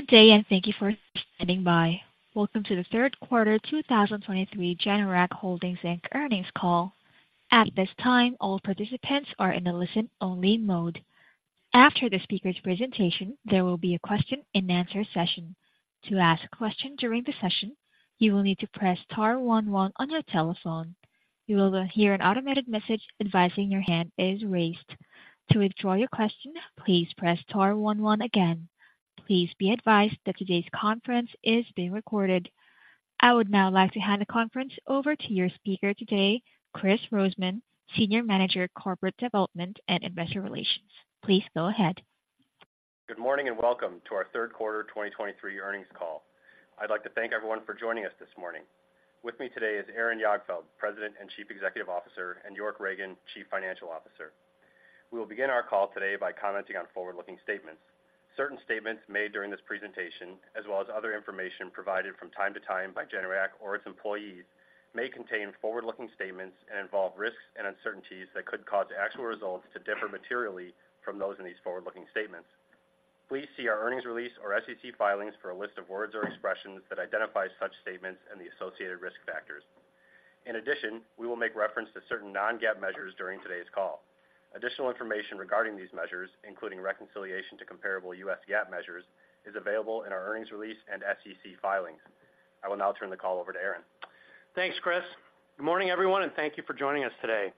Good day, and thank you for standing by. Welcome to the third quarter 2023 Generac Holdings Inc. earnings call. At this time, all participants are in a listen-only mode. After the speaker's presentation, there will be a question-and-answer session. To ask a question during the session, you will need to press star one one on your telephone. You will then hear an automated message advising your hand is raised. To withdraw your question, please press star one, one again. Please be advised that today's conference is being recorded. I would now like to hand the conference over to your speaker today, Kris Rosemann, Senior Manager, Corporate Development and Investor Relations. Please go ahead. Good morning, and welcome to our third quarter 2023 earnings call. I'd like to thank everyone for joining us this morning. With me today is Aaron Jagdfeld, President and Chief Executive Officer, and York Ragen, Chief Financial Officer. We will begin our call today by commenting on forward-looking statements. Certain statements made during this presentation, as well as other information provided from time to time by Generac or its employees, may contain forward-looking statements and involve risks and uncertainties that could cause actual results to differ materially from those in these forward-looking statements. Please see our earnings release or SEC filings for a list of words or expressions that identify such statements and the associated risk factors. In addition, we will make reference to certain non-GAAP measures during today's call. Additional information regarding these measures, including reconciliation to comparable U.S. GAAP measures, is available in our earnings release and SEC filings. I will now turn the call over to Aaron. Thanks, Kris. Good morning, everyone, and thank you for joining us today.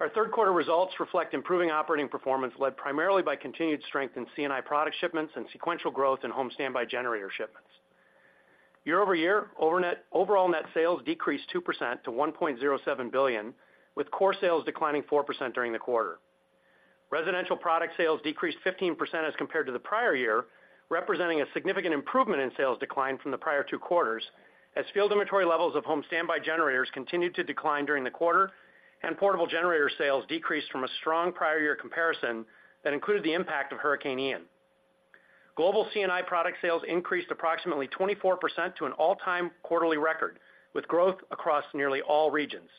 Our third quarter results reflect improving operating performance, led primarily by continued strength in C&I product shipments and sequential growth in home standby generator shipments. Year-over-year, overall net sales decreased 2% to $1.07 billion, with core sales declining 4% during the quarter. Residential product sales decreased 15% as compared to the prior year, representing a significant improvement in sales decline from the prior two quarters, as field inventory levels of home standby generators continued to decline during the quarter, and portable generator sales decreased from a strong prior year comparison that included the impact of Hurricane Ian. Global C&I product sales increased approximately 24% to an all-time quarterly record, with growth across nearly all regions.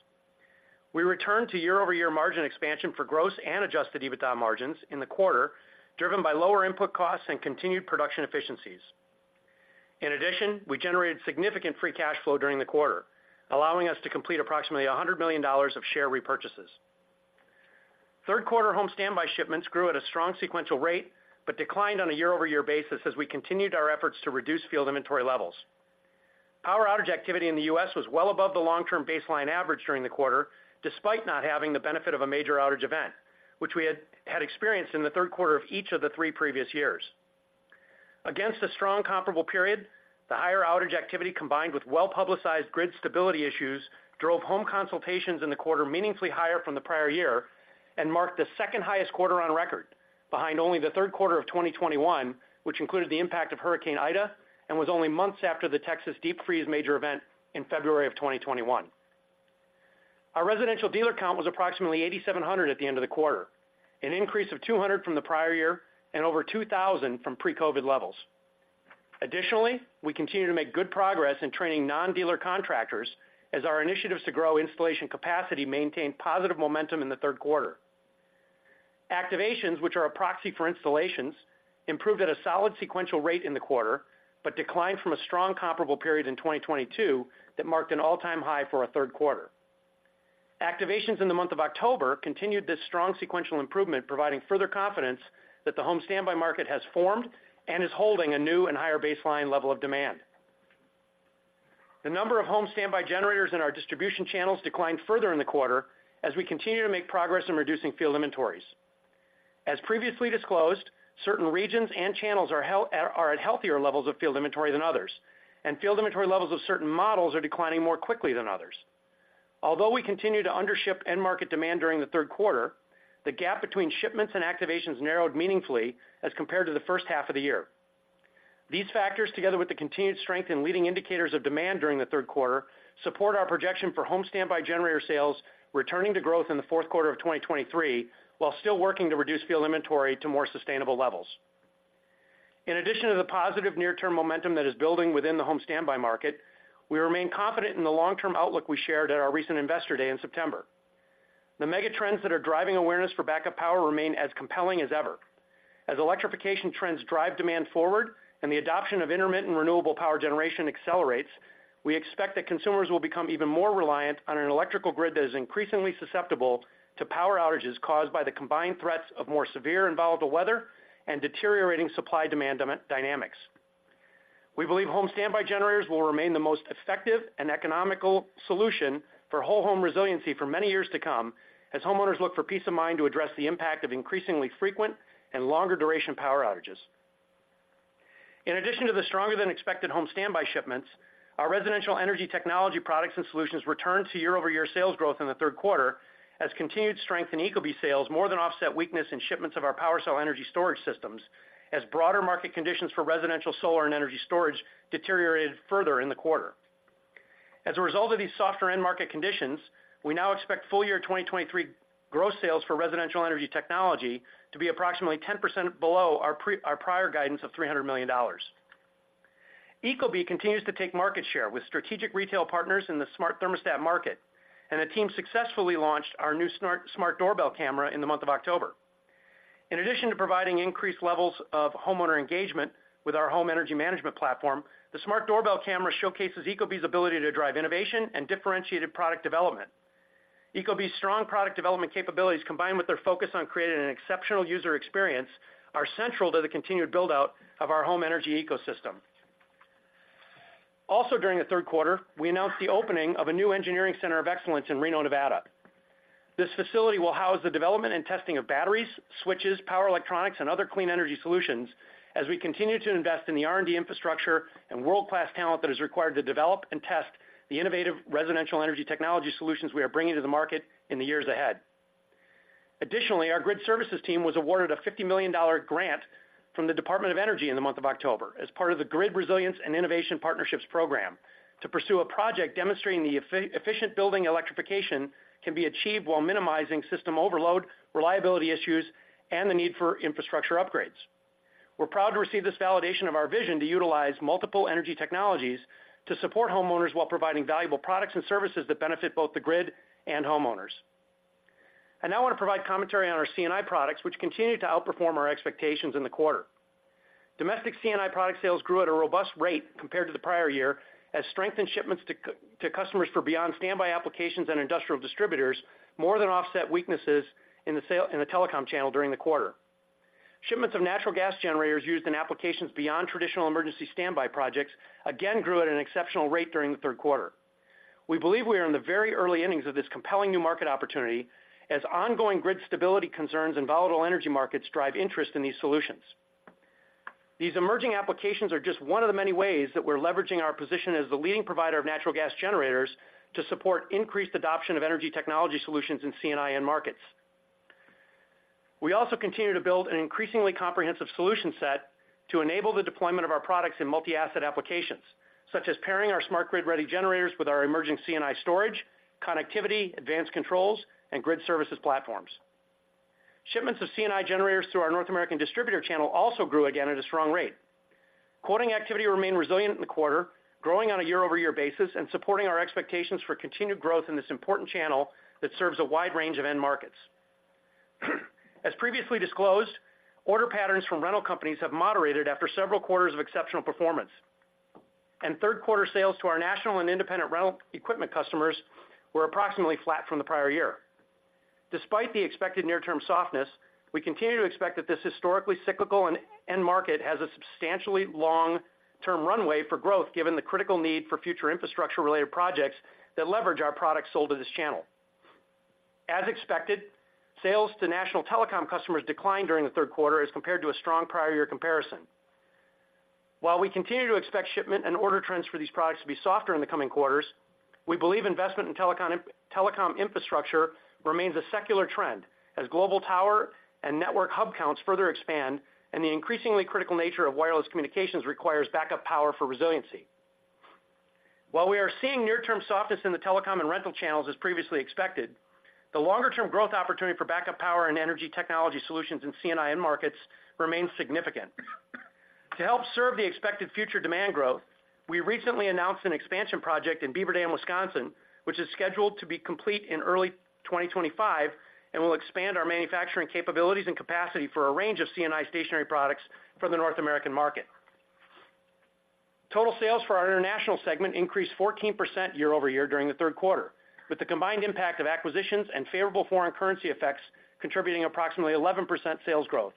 We returned to year-over-year margin expansion for gross and adjusted EBITDA margins in the quarter, driven by lower input costs and continued production efficiencies. In addition, we generated significant free cash flow during the quarter, allowing us to complete approximately $100 million of share repurchases. Third quarter home standby shipments grew at a strong sequential rate, but declined on a year-over-year basis as we continued our efforts to reduce field inventory levels. Power outage activity in the U.S. was well above the long-term baseline average during the quarter, despite not having the benefit of a major outage event, which we had experienced in the third quarter of each of the three previous years. Against a strong comparable period, the higher outage activity, combined with well-publicized grid stability issues, drove home consultations in the quarter meaningfully higher from the prior year and marked the second highest quarter on record, behind only the third quarter of 2021, which included the impact of Hurricane Ida and was only months after the Texas deep-freeze major event in February of 2021. Our residential dealer count was approximately 8,700 at the end of the quarter, an increase of 200 from the prior year and over 2,000 from pre-COVID levels. Additionally, we continue to make good progress in training non-dealer contractors as our initiatives to grow installation capacity maintain positive momentum in the third quarter. Activations, which are a proxy for installations, improved at a solid sequential rate in the quarter, but declined from a strong comparable period in 2022 that marked an all-time high for our third quarter. Activations in the month of October continued this strong sequential improvement, providing further confidence that the home standby market has formed and is holding a new and higher baseline level of demand. The number of home standby generators in our distribution channels declined further in the quarter as we continue to make progress in reducing field inventories. As previously disclosed, certain regions and channels are at healthier levels of field inventory than others, and field inventory levels of certain models are declining more quickly than others. Although we continue to under-ship end-market demand during the third quarter, the gap between shipments and activations narrowed meaningfully as compared to the first half of the year. These factors, together with the continued strength in leading indicators of demand during the third quarter, support our projection for home standby generator sales, returning to growth in the fourth quarter of 2023, while still working to reduce field inventory to more sustainable levels. In addition to the positive near-term momentum that is building within the home standby market, we remain confident in the long-term outlook we shared at our recent Investor Day in September. The megatrends that are driving awareness for backup power remain as compelling as ever. As electrification trends drive demand forward and the adoption of intermittent renewable power generation accelerates, we expect that consumers will become even more reliant on an electrical grid that is increasingly susceptible to power outages caused by the combined threats of more severe and volatile weather and deteriorating supply-demand dynamics. We believe home standby generators will remain the most effective and economical solution for whole-home resiliency for many years to come, as homeowners look for peace of mind to address the impact of increasingly frequent and longer-duration power outages. In addition to the stronger-than-expected home standby shipments, our Residential Energy Technology Products and Solutions returned to year-over-year sales growth in the third quarter, as continued strength in Ecobee sales more than offset weakness in shipments of our power cell energy storage systems, as broader market conditions for residential, solar, and energy storage deteriorated further in the quarter. As a result of these softer end-market conditions, we now expect full year 2023 gross sales for residential energy technology to be approximately 10% below our prior guidance of $300 million. Ecobee continues to take market share with strategic retail partners in the smart thermostat market, and the team successfully launched our new smart doorbell camera in the month of October. In addition to providing increased levels of homeowner engagement with our home energy management platform, the smart doorbell camera showcases Ecobee's ability to drive innovation and differentiated product development. Ecobee's strong product development capabilities, combined with their focus on creating an exceptional user experience, are central to the continued build-out of our home energy ecosystem. Also, during the third quarter, we announced the opening of a new engineering center of excellence in Reno, Nevada. This facility will house the development and testing of batteries, switches, power electronics, and other clean energy solutions as we continue to invest in the R&D infrastructure and world-class talent that is required to develop and test the innovative residential energy technology solutions we are bringing to the market in the years ahead. Additionally, our grid services team was awarded a $50 million grant from the Department of Energy in the month of October as part of the Grid Resilience and Innovation Partnerships program to pursue a project demonstrating the efficient building electrification can be achieved while minimizing system overload, reliability issues, and the need for infrastructure upgrades. We're proud to receive this validation of our vision to utilize multiple energy technologies to support homeowners while providing valuable products and services that benefit both the grid and homeowners. I now want to provide commentary on our C&I products, which continued to outperform our expectations in the quarter. Domestic C&I product sales grew at a robust rate compared to the prior year, as strengthened shipments to customers for beyond standby applications and industrial distributors more than offset weaknesses in the sales in the telecom channel during the quarter. Shipments of natural gas generators used in applications beyond traditional emergency standby projects again grew at an exceptional rate during the third quarter. We believe we are in the very early innings of this compelling new market opportunity as ongoing grid stability concerns and volatile energy markets drive interest in these solutions. These emerging applications are just one of the many ways that we're leveraging our position as the leading provider of natural gas generators to support increased adoption of energy technology solutions in C&I end markets. We also continue to build an increasingly comprehensive solution set to enable the deployment of our products in multi-asset applications, such as pairing our smart grid-ready generators with our emerging C&I storage, connectivity, advanced controls, and grid services platforms. Shipments of C&I generators through our North American distributor channel also grew again at a strong rate. Quoting activity remained resilient in the quarter, growing on a year-over-year basis and supporting our expectations for continued growth in this important channel that serves a wide range of end markets. As previously disclosed, order patterns from rental companies have moderated after several quarters of exceptional performance, and third quarter sales to our national and independent rental equipment customers were approximately flat from the prior year. Despite the expected near-term softness, we continue to expect that this historically cyclical and end market has a substantially long-term runway for growth, given the critical need for future infrastructure-related projects that leverage our products sold to this channel. As expected, sales to national telecom customers declined during the third quarter as compared to a strong prior year comparison. While we continue to expect shipment and order trends for these products to be softer in the coming quarters, we believe investment in telecom infrastructure remains a secular trend as global tower and network hub counts further expand, and the increasingly critical nature of wireless communications requires backup power for resiliency. While we are seeing near-term softness in the telecom and rental channels as previously expected, the longer-term growth opportunity for backup power and energy technology solutions in C&I end markets remains significant. To help serve the expected future demand growth, we recently announced an expansion project in Beaver Dam, Wisconsin, which is scheduled to be complete in early 2025 and will expand our manufacturing capabilities and capacity for a range of C&I stationary products for the North American market. Total sales for our international segment increased 14% year-over-year during the third quarter, with the combined impact of acquisitions and favorable foreign currency effects contributing approximately 11% sales growth.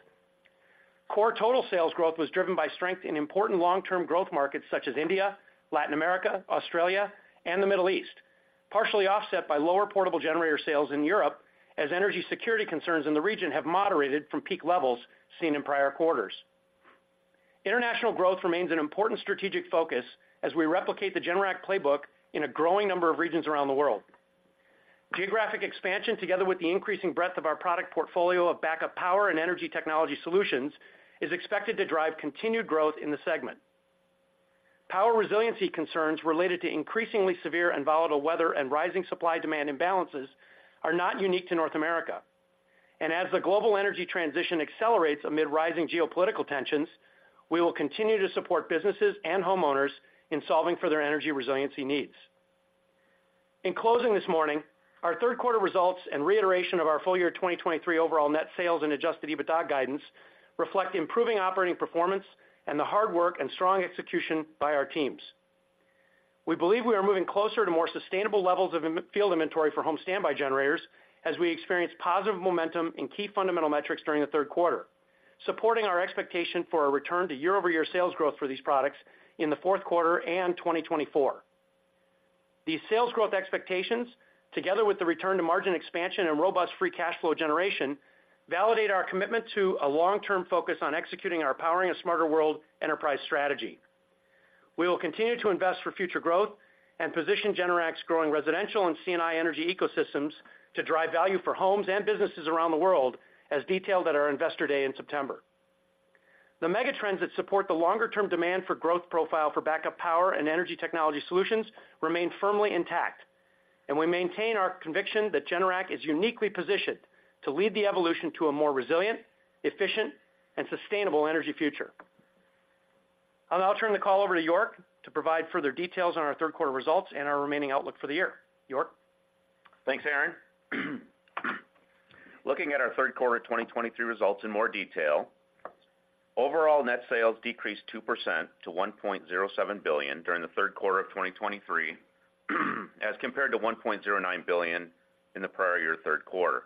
Core total sales growth was driven by strength in important long-term growth markets such as India, Latin America, Australia, and the Middle East, partially offset by lower portable generator sales in Europe, as energy security concerns in the region have moderated from peak levels seen in prior quarters. International growth remains an important strategic focus as we replicate the Generac playbook in a growing number of regions around the world. Geographic expansion, together with the increasing breadth of our product portfolio of backup power and energy technology solutions, is expected to drive continued growth in the segment. Power resiliency concerns related to increasingly severe and volatile weather and rising supply-demand imbalances are not unique to North America, and as the global energy transition accelerates amid rising geopolitical tensions, we will continue to support businesses and homeowners in solving for their energy resiliency needs. In closing this morning, our third quarter results and reiteration of our full year 2023 overall net sales and adjusted EBITDA guidance reflect the improving operating performance and the hard work and strong execution by our teams. We believe we are moving closer to more sustainable levels of in-field inventory for home standby generators as we experience positive momentum in key fundamental metrics during the third quarter, supporting our expectation for a return to year-over-year sales growth for these products in the fourth quarter and 2024. These sales growth expectations, together with the return to margin expansion and robust free cash flow generation, validate our commitment to a long-term focus on executing our Powering A Smarter World enterprise strategy. We will continue to invest for future growth and position Generac's growing residential and C&I energy ecosystems to drive value for homes and businesses around the world, as detailed at our Investor Day in September. The megatrends that support the longer-term demand for growth profile for backup power and energy technology solutions remain firmly intact. We maintain our conviction that Generac is uniquely positioned to lead the evolution to a more resilient, efficient, and sustainable energy future. I'll now turn the call over to York to provide further details on our third quarter results and our remaining outlook for the year. York? Thanks, Aaron. Looking at our third quarter 2023 results in more detail, overall net sales decreased 2% to $1.07 billion during the third quarter of 2023, as compared to $1.09 billion in the prior year third quarter.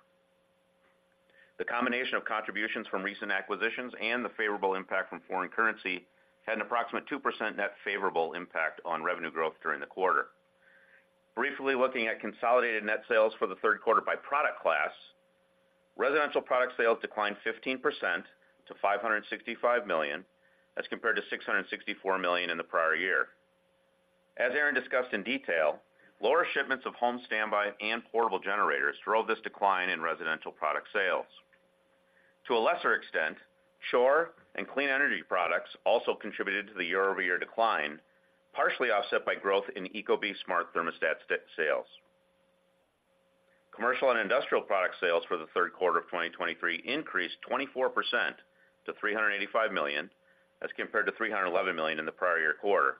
The combination of contributions from recent acquisitions and the favorable impact from foreign currency had an approximate 2% net favorable impact on revenue growth during the quarter. Briefly looking at consolidated net sales for the third quarter by product class, residential product sales declined 15% to $565 million, as compared to $664 million in the prior year. As Aaron discussed in detail, lower shipments of home standby and portable generators drove this decline in residential product sales. To a lesser extent, solar and clean energy products also contributed to the year-over-year decline, partially offset by growth in Ecobee Smart Thermostat sales. Commercial and industrial product sales for the third quarter of 2023 increased 24% to $385 million, as compared to $311 million in the prior year quarter.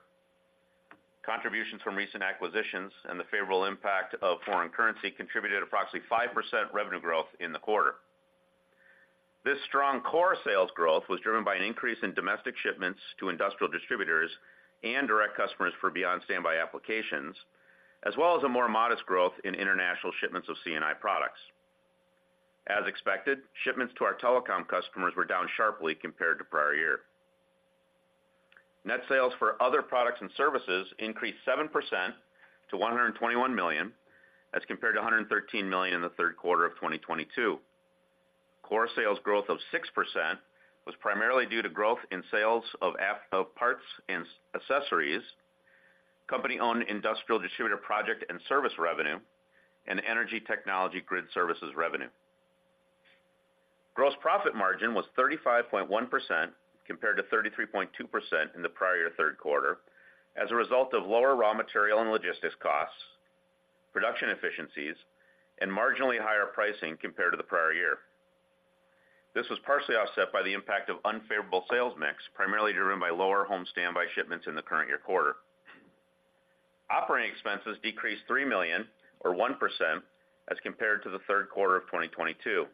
Contributions from recent acquisitions and the favorable impact of foreign currency contributed approximately 5% revenue growth in the quarter. This strong core sales growth was driven by an increase in domestic shipments to industrial distributors and direct customers for beyond standby applications, as well as a more modest growth in international shipments of C&I products. As expected, shipments to our telecom customers were down sharply compared to prior year. Net sales for other products and services increased 7% to $121 million, as compared to $113 million in the third quarter of 2022. Core sales growth of 6% was primarily due to growth in sales of of parts and accessories, company-owned industrial distributor project and service revenue, and energy technology grid services revenue. Gross profit margin was 35.1%, compared to 33.2% in the prior year third quarter, as a result of lower raw material and logistics costs, production efficiencies, and marginally higher pricing compared to the prior year. This was partially offset by the impact of unfavorable sales mix, primarily driven by lower home standby shipments in the current year quarter. Operating expenses decreased $3 million, or 1%, as compared to the third quarter of 2022.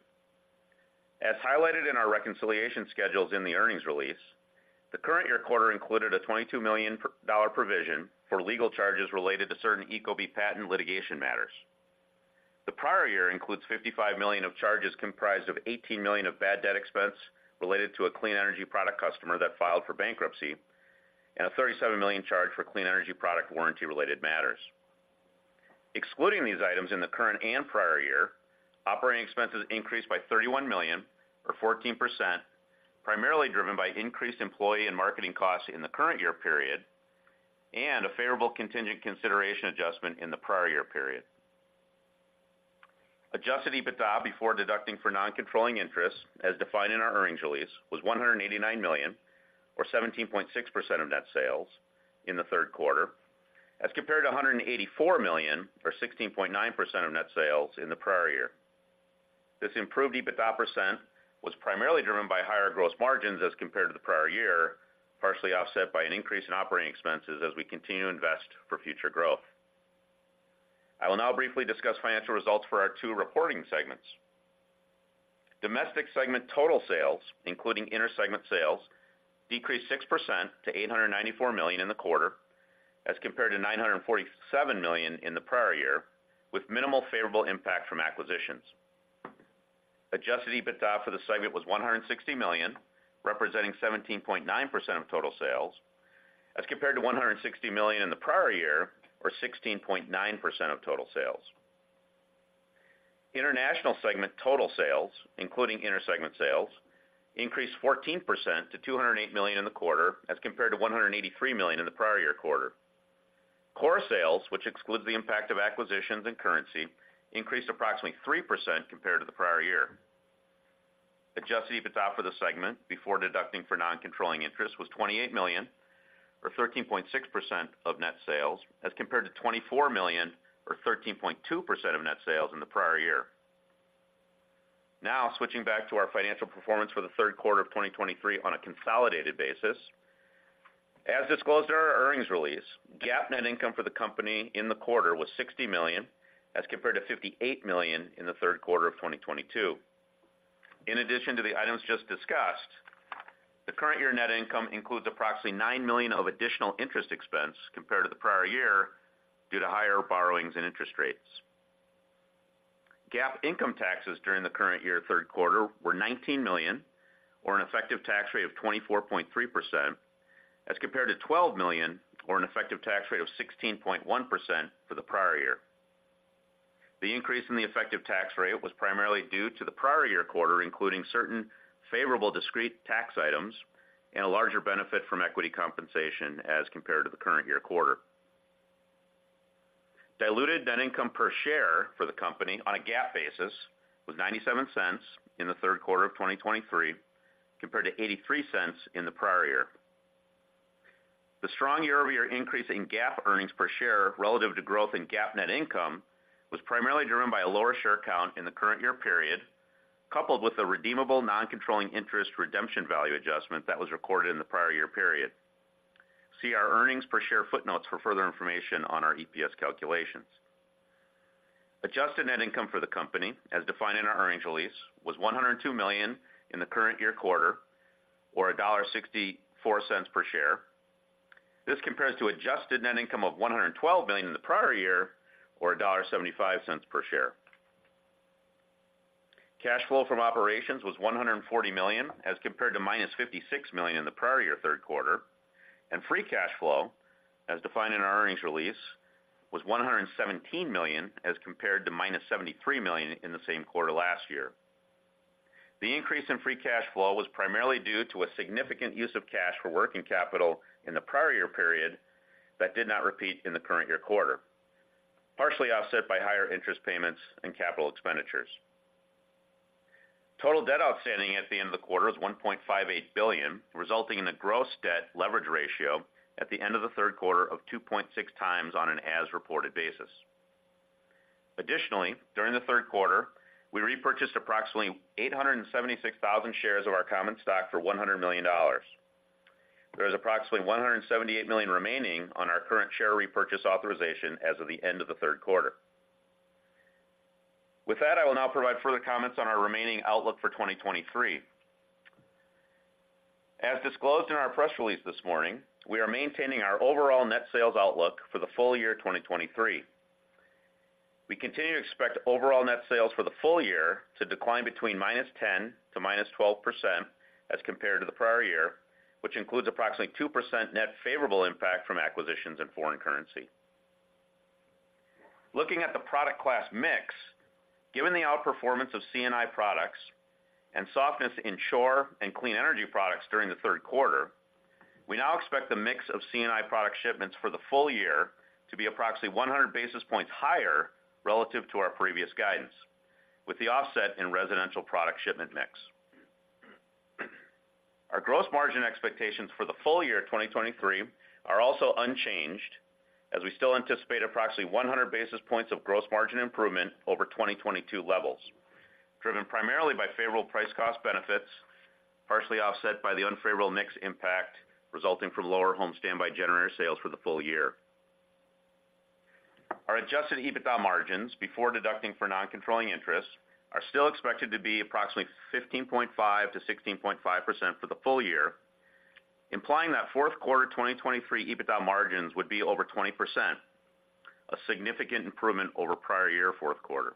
As highlighted in our reconciliation schedules in the earnings release, the current year quarter included a $22 million dollar provision for legal charges related to certain Ecobee patent litigation matters. The prior year includes $55 million of charges, comprised of $18 million of bad debt expense related to a clean energy product customer that filed for bankruptcy, and a $37 million charge for clean energy product warranty-related matters. Excluding these items in the current and prior year, operating expenses increased by $31 million, or 14%, primarily driven by increased employee and marketing costs in the current year period, and a favorable contingent consideration adjustment in the prior year period. Adjusted EBITDA, before deducting for non-controlling interests, as defined in our earnings release, was $189 million, or 17.6% of net sales, in the third quarter, as compared to $184 million, or 16.9% of net sales, in the prior year. This improved EBITDA percent was primarily driven by higher gross margins as compared to the prior year, partially offset by an increase in operating expenses as we continue to invest for future growth. I will now briefly discuss financial results for our two reporting segments. Domestic segment total sales, including inter-segment sales, decreased 6% to $894 million in the quarter, as compared to $947 million in the prior year, with minimal favorable impact from acquisitions. Adjusted EBITDA for the segment was $160 million, representing 17.9% of total sales, as compared to $160 million in the prior year, or 16.9% of total sales. International segment total sales, including inter-segment sales, increased 14% to $208 million in the quarter, as compared to $183 million in the prior year quarter. Core sales, which excludes the impact of acquisitions and currency, increased approximately 3% compared to the prior year. Adjusted EBITDA for the segment, before deducting for non-controlling interest, was $28 million, or 13.6% of net sales, as compared to $24 million, or 13.2% of net sales in the prior year. Now, switching back to our financial performance for the third quarter of 2023 on a consolidated basis. As disclosed in our earnings release, GAAP net income for the company in the quarter was $60 million, as compared to $58 million in the third quarter of 2022. In addition to the items just discussed, the current year net income includes approximately $9 million of additional interest expense compared to the prior year due to higher borrowings and interest rates. GAAP income taxes during the current year third quarter were $19 million, or an effective tax rate of 24.3%, as compared to $12 million, or an effective tax rate of 16.1% for the prior year. The increase in the effective tax rate was primarily due to the prior year quarter, including certain favorable discrete tax items and a larger benefit from equity compensation as compared to the current year quarter. Diluted net income per share for the company on a GAAP basis was $0.97 in the third quarter of 2023, compared to $0.83 in the prior year. The strong year-over-year increase in GAAP earnings per share relative to growth in GAAP net income was primarily driven by a lower share count in the current year period, coupled with a redeemable non-controlling interest redemption value adjustment that was recorded in the prior year period. See our earnings per share footnotes for further information on our EPS calculations. Adjusted net income for the company, as defined in our earnings release, was $102 million in the current year quarter, or $1.64 per share. This compares to adjusted net income of $112 million in the prior year, or $1.75 per share. Cash flow from operations was $140 million, as compared to -$56 million in the prior year third quarter, and free cash flow, as defined in our earnings release, was $117 million, as compared to -$73 million in the same quarter last year. The increase in free cash flow was primarily due to a significant use of cash for working capital in the prior year period that did not repeat in the current year quarter, partially offset by higher interest payments and capital expenditures. Total debt outstanding at the end of the quarter was $1.58 billion, resulting in a gross debt leverage ratio at the end of the third quarter of 2.6x on an as-reported basis. Additionally, during the third quarter, we repurchased approximately 876,000 shares of our common stock for $100 million. There is approximately $178 million remaining on our current share repurchase authorization as of the end of the third quarter. With that, I will now provide further comments on our remaining outlook for 2023. As disclosed in our press release this morning, we are maintaining our overall net sales outlook for the full year 2023. We continue to expect overall net sales for the full year to decline between -10% to -12% as compared to the prior year, which includes approximately 2% net favorable impact from acquisitions in foreign currency. Looking at the product class mix, given the outperformance of C&I products and softness in solar and clean energy products during the third quarter, we now expect the mix of C&I product shipments for the full year to be approximately 100 basis points higher relative to our previous guidance, with the offset in residential product shipment mix. Our gross margin expectations for the full year 2023 are also unchanged, as we still anticipate approximately 100 basis points of gross margin improvement over 2022 levels, driven primarily by favorable price-cost benefits, partially offset by the unfavorable mix impact resulting from lower home standby generator sales for the full year. Our adjusted EBITDA margins, before deducting for non-controlling interests, are still expected to be approximately 15.5%-16.5% for the full year, implying that fourth quarter 2023 EBITDA margins would be over 20%, a significant improvement over prior year fourth quarter.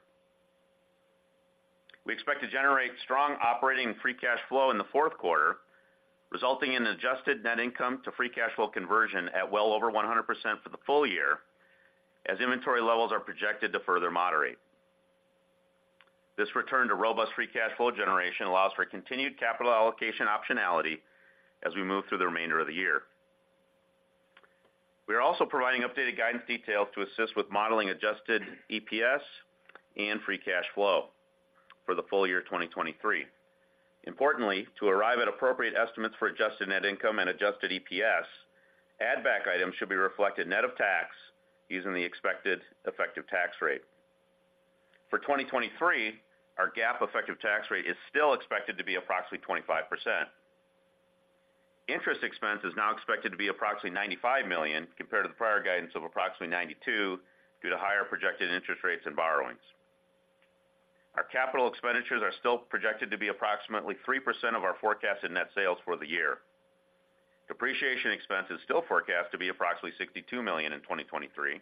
We expect to generate strong operating free cash flow in the fourth quarter, resulting in an adjusted net income to free cash flow conversion at well over 100% for the full year, as inventory levels are projected to further moderate. This return to robust free cash flow generation allows for continued capital allocation optionality as we move through the remainder of the year. We are also providing updated guidance details to assist with modeling adjusted EPS and free cash flow, for the full year 2023. Importantly, to arrive at appropriate estimates for adjusted net income and adjusted EPS, add back items should be reflected net of tax using the expected effective tax rate. For 2023, our GAAP effective tax rate is still expected to be approximately 25%. Interest expense is now expected to be approximately $95 million, compared to the prior guidance of approximately $92 million, due to higher projected interest rates and borrowings. Our capital expenditures are still projected to be approximately 3% of our forecasted net sales for the year. Depreciation expense is still forecast to be approximately $62 million in 2023.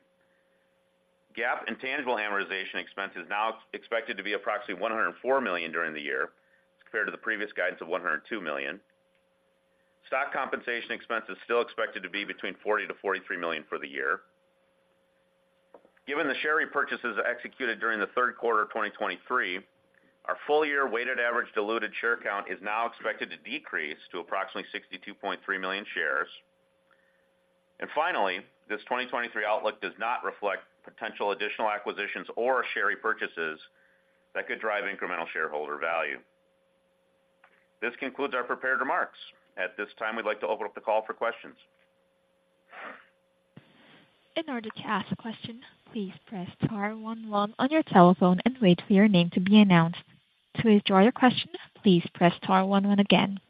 GAAP and tangible amortization expense is now expected to be approximately $104 million during the year, compared to the previous guidance of $102 million. Stock compensation expense is still expected to be between $40-$43 million for the year. Given the share repurchases executed during the third quarter of 2023, our full-year weighted average diluted share count is now expected to decrease to approximately 62.3 million shares. And finally, this 2023 outlook does not reflect potential additional acquisitions or share repurchases that could drive incremental shareholder value. This concludes our prepared remarks. At this time, we'd like to open up the call for questions. In order to ask a question, please press star one one on your telephone and wait for your name to be announced. To withdraw your question, please press star one one again.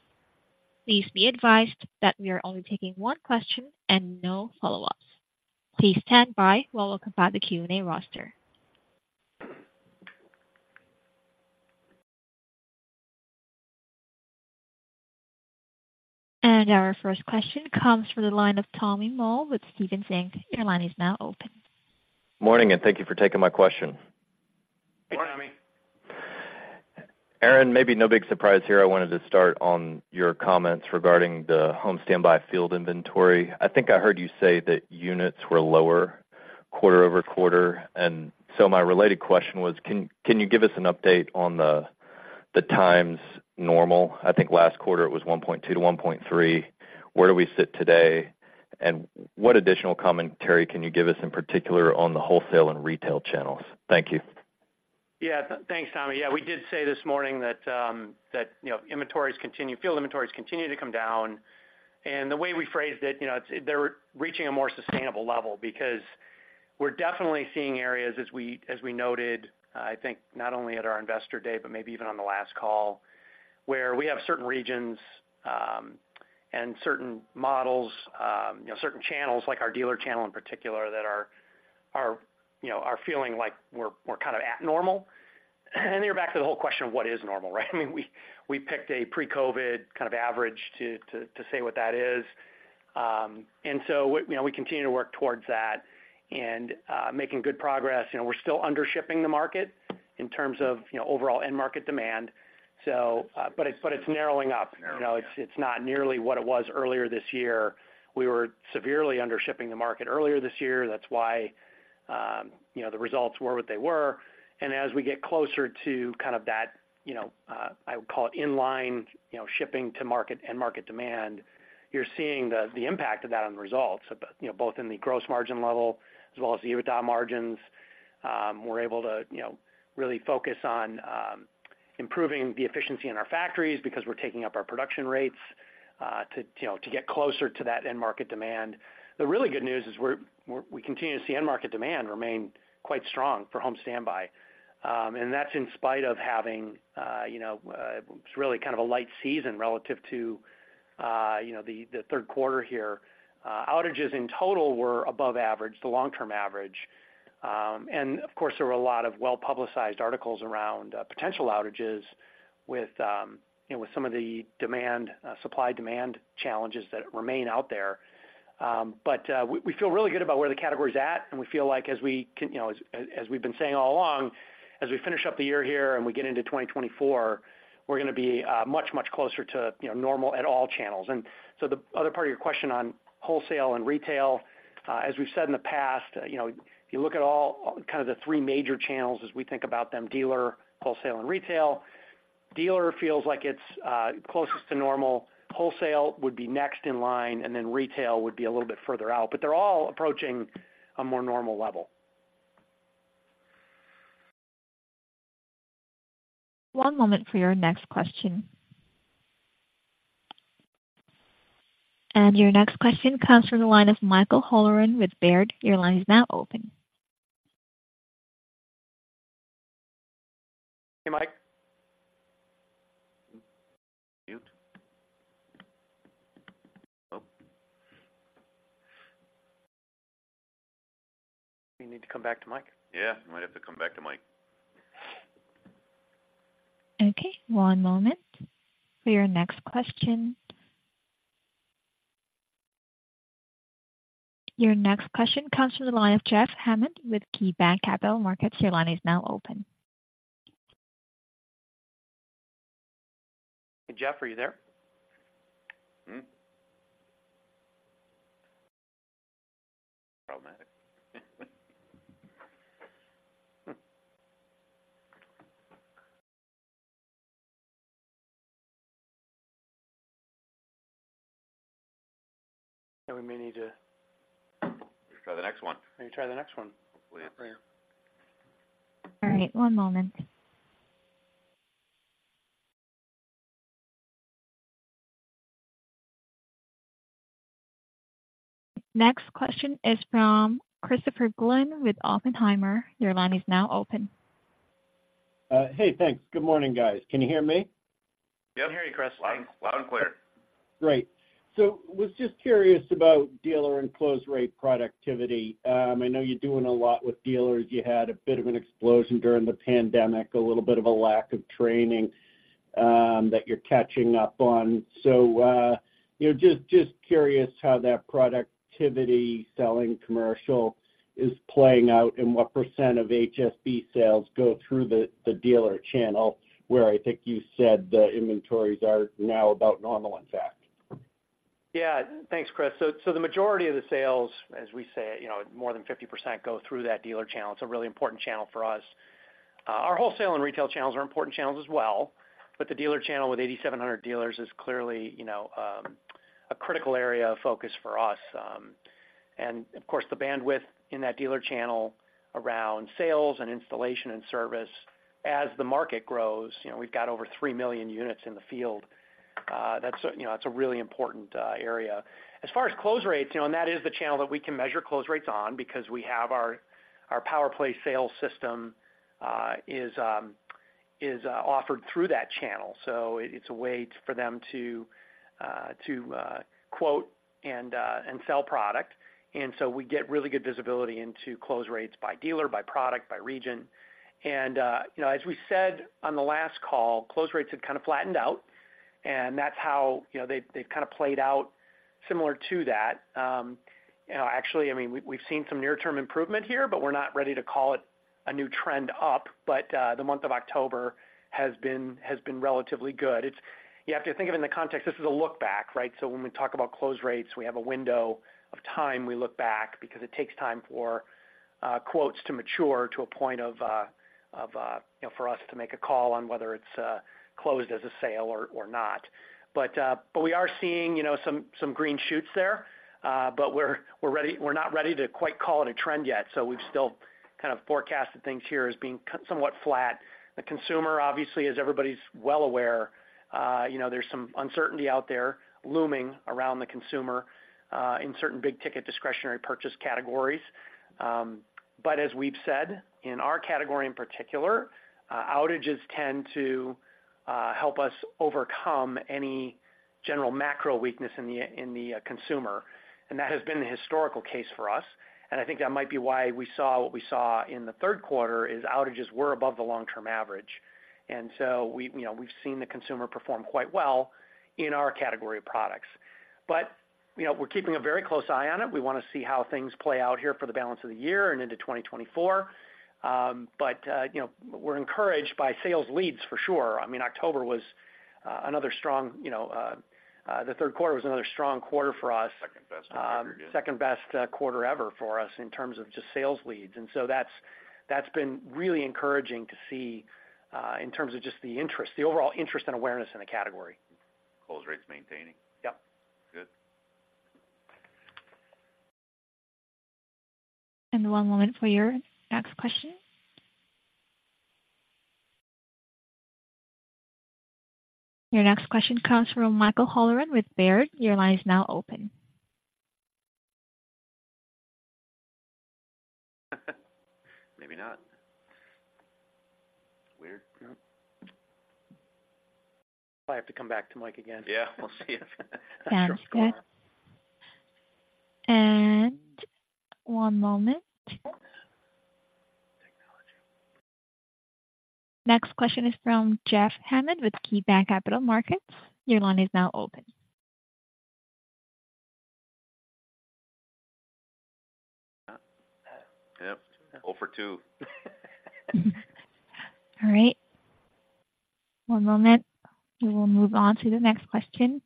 Please be advised that we are only taking one question and no follow-ups. Please stand by while we compile the Q&A roster. Our first question comes from the line of Tommy Moll with Stephens Inc. Your line is now open. Morning, and thank you for taking my question. Morning, Tommy. Aaron, maybe no big surprise here. I wanted to start on your comments regarding the home standby field inventory. I think I heard you say that units were lower quarter-over-quarter, and so my related question was, can you give us an update on the times normal? I think last quarter it was 1.2-1.3. Where do we sit today? And what additional commentary can you give us, in particular on the wholesale and retail channels? Thank you. Yeah. Thanks, Tommy. Yeah, we did say this morning that, that, you know, field inventories continue to come down, and the way we phrased it, you know, it's they're reaching a more sustainable level because we're definitely seeing areas as we, as we noted, I think, not only at our investor day, but maybe even on the last call, where we have certain regions, and certain models, you know, certain channels, like our dealer channel in particular, that are, are, you know, are feeling like we're, we're kind of at normal. And then you're back to the whole question of what is normal, right? I mean, we, we picked a pre-COVID kind of average to, to, to say what that is. And so, we, you know, we continue to work towards that and, making good progress. You know, we're still under shipping the market in terms of, you know, overall end market demand. So, but it's, but it's narrowing up. You know, it's, it's not nearly what it was earlier this year. We were severely under shipping the market earlier this year. That's why, you know, the results were what they were. And as we get closer to kind of that, you know, I would call it in line, you know, shipping to market and market demand, you're seeing the impact of that on the results, you know, both in the gross margin level as well as the EBITDA margins. We're able to, you know, really focus on, improving the efficiency in our factories because we're taking up our production rates, to, you know, to get closer to that end market demand. The really good news is we continue to see end market demand remain quite strong for home standby. And that's in spite of having, you know, it's really kind of a light season relative to, you know, the third quarter here. Outages in total were above average, the long-term average. And of course, there were a lot of well-publicized articles around potential outages with, you know, with some of the demand, supply/demand challenges that remain out there. But we feel really good about where the category is at, and we feel like, you know, as we've been saying all along, as we finish up the year here and we get into 2024, we're gonna be much, much closer to, you know, normal at all channels. So the other part of your question on wholesale and retail, as we've said in the past, you know, if you look at all, kind of the three major channels as we think about them, dealer, wholesale, and retail. Dealer feels like it's closest to normal. Wholesale would be next in line, and then retail would be a little bit further out, but they're all approaching a more normal level. One moment for your next question. Your next question comes from the line of Michael Halloran with Baird. Your line is now open. Hey, Mike. Mute. Oh. We need to come back to Mike? Yeah, we might have to come back to Mike. Okay, one moment for your next question. Your next question comes from the line of Jeff Hammond with KeyBanc Capital Markets. Your line is now open. Hey, Jeff, are you there? Hmm. Problematic. And we may need to- Just try the next one. Let me try the next one. Hopefully. All right, one moment. Next question is from Christopher Glynn with Oppenheimer. Your line is now open. Hey, thanks. Good morning, guys. Can you hear me? Yep. We can hear you, Chris. Loud, loud and clear. Great. So was just curious about dealer and close rate productivity. I know you're doing a lot with dealers. You had a bit of an explosion during the pandemic, a little bit of a lack of training, that you're catching up on. So, you know, just, just curious how that productivity selling commercial is playing out and what percent of HSB sales go through the, the dealer channel, where I think you said the inventories are now about normal, in fact. Yeah. Thanks, Chris. So, so the majority of the sales, as we say, you know, more than 50% go through that dealer channel. It's a really important channel for us. Our wholesale and retail channels are important channels as well, but the dealer channel with 8,700 dealers is clearly, you know, a critical area of focus for us. And of course, the bandwidth in that dealer channel around sales and installation and service as the market grows, you know, we've got over three million units in the field. That's a, you know, that's a really important area. As far as close rates, you know, and that is the channel that we can measure close rates on because we have our PowerPlay Sales System is offered through that channel, so it's a way for them to quote and sell product. And so we get really good visibility into close rates by dealer, by product, by region. And you know, as we said on the last call, close rates had kind of flattened out, and that's how, you know, they've kind of played out similar to that. You know, actually, I mean, we've seen some near-term improvement here, but we're not ready to call it a new trend up. But the month of October has been relatively good. You have to think of it in the context, this is a look back, right? So when we talk about close rates, we have a window of time we look back because it takes time for quotes to mature to a point of a, you know, for us to make a call on whether it's closed as a sale or not. But we are seeing, you know, some green shoots there, but we're not ready to quite call it a trend yet, so we've still kind of forecasted things here as being somewhat flat. The consumer, obviously, as everybody's well aware, you know, there's some uncertainty out there looming around the consumer in certain big-ticket discretionary purchase categories. But as we've said, in our category in particular, outages tend to help us overcome any general macro weakness in the consumer, and that has been the historical case for us. And I think that might be why we saw what we saw in the third quarter, is outages were above the long-term average. And so we've, you know, we've seen the consumer perform quite well in our category of products. But, you know, we're keeping a very close eye on it. We want to see how things play out here for the balance of the year and into 2024. But, you know, we're encouraged by sales leads for sure. I mean, October was another strong, you know, the third quarter was another strong quarter for us. Second best ever again. Second best quarter ever for us in terms of just sales leads. And so that's, that's been really encouraging to see, in terms of just the interest, the overall interest and awareness in the category. Close rates maintaining? Yep. Good. One moment for your next question. Your next question comes from Michael Halloran with Baird. Your line is now open. Maybe not. Weird. Yep. I have to come back to Mike again. Yeah, we'll see if One moment. Technology. Next question is from Jeff Hammond, with KeyBanc Capital Markets. Your line is now open. Yep, 0 for 2. All right, one moment. We will move on to the next question.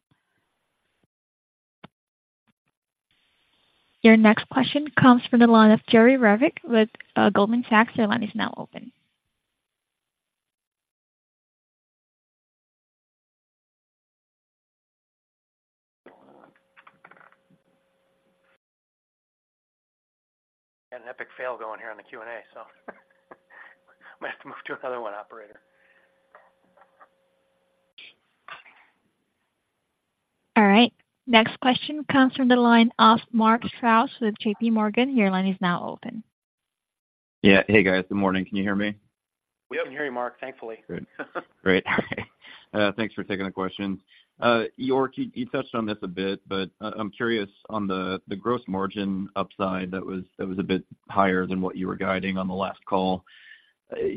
Your next question comes from the line of Jerry Revich, with Goldman Sachs. Your line is now open. Got an epic fail going here on the Q&A, so might have to move to another one, operator. All right. Next question comes from the line of Mark Strouse, with JPMorgan. Your line is now open. Yeah. Hey, guys. Good morning. Can you hear me? We can hear you, Mark. Thankfully. Good. Great. Thanks for taking the questions. York, you touched on this a bit, but I'm curious on the gross margin upside that was a bit higher than what you were guiding on the last call.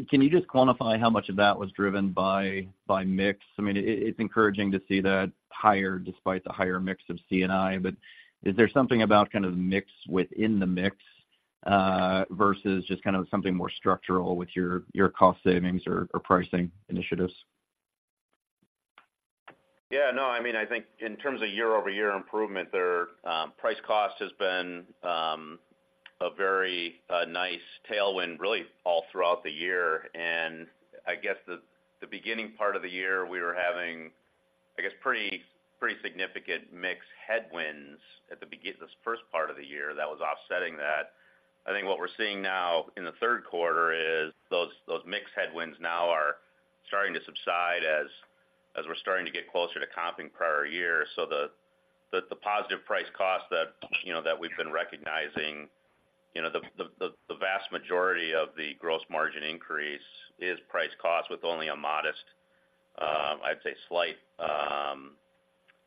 Can you just quantify how much of that was driven by mix? I mean, it's encouraging to see that higher despite the higher mix of C&I, but is there something about kind of the mix within the mix versus just kind of something more structural with your cost savings or pricing initiatives? Yeah, no, I mean, I think in terms of year-over-year improvement there, price cost has been a very nice tailwind, really, all throughout the year. And I guess the beginning part of the year, we were having, I guess, pretty, pretty significant mix headwinds at the beginning, this first part of the year that was offsetting that. I think what we're seeing now in the third quarter is those mix headwinds now are starting to subside as we're starting to get closer to comping prior year. So the positive price cost that, you know, that we've been recognizing, you know, the vast majority of the gross margin increase is price cost with only a modest, I'd say, slight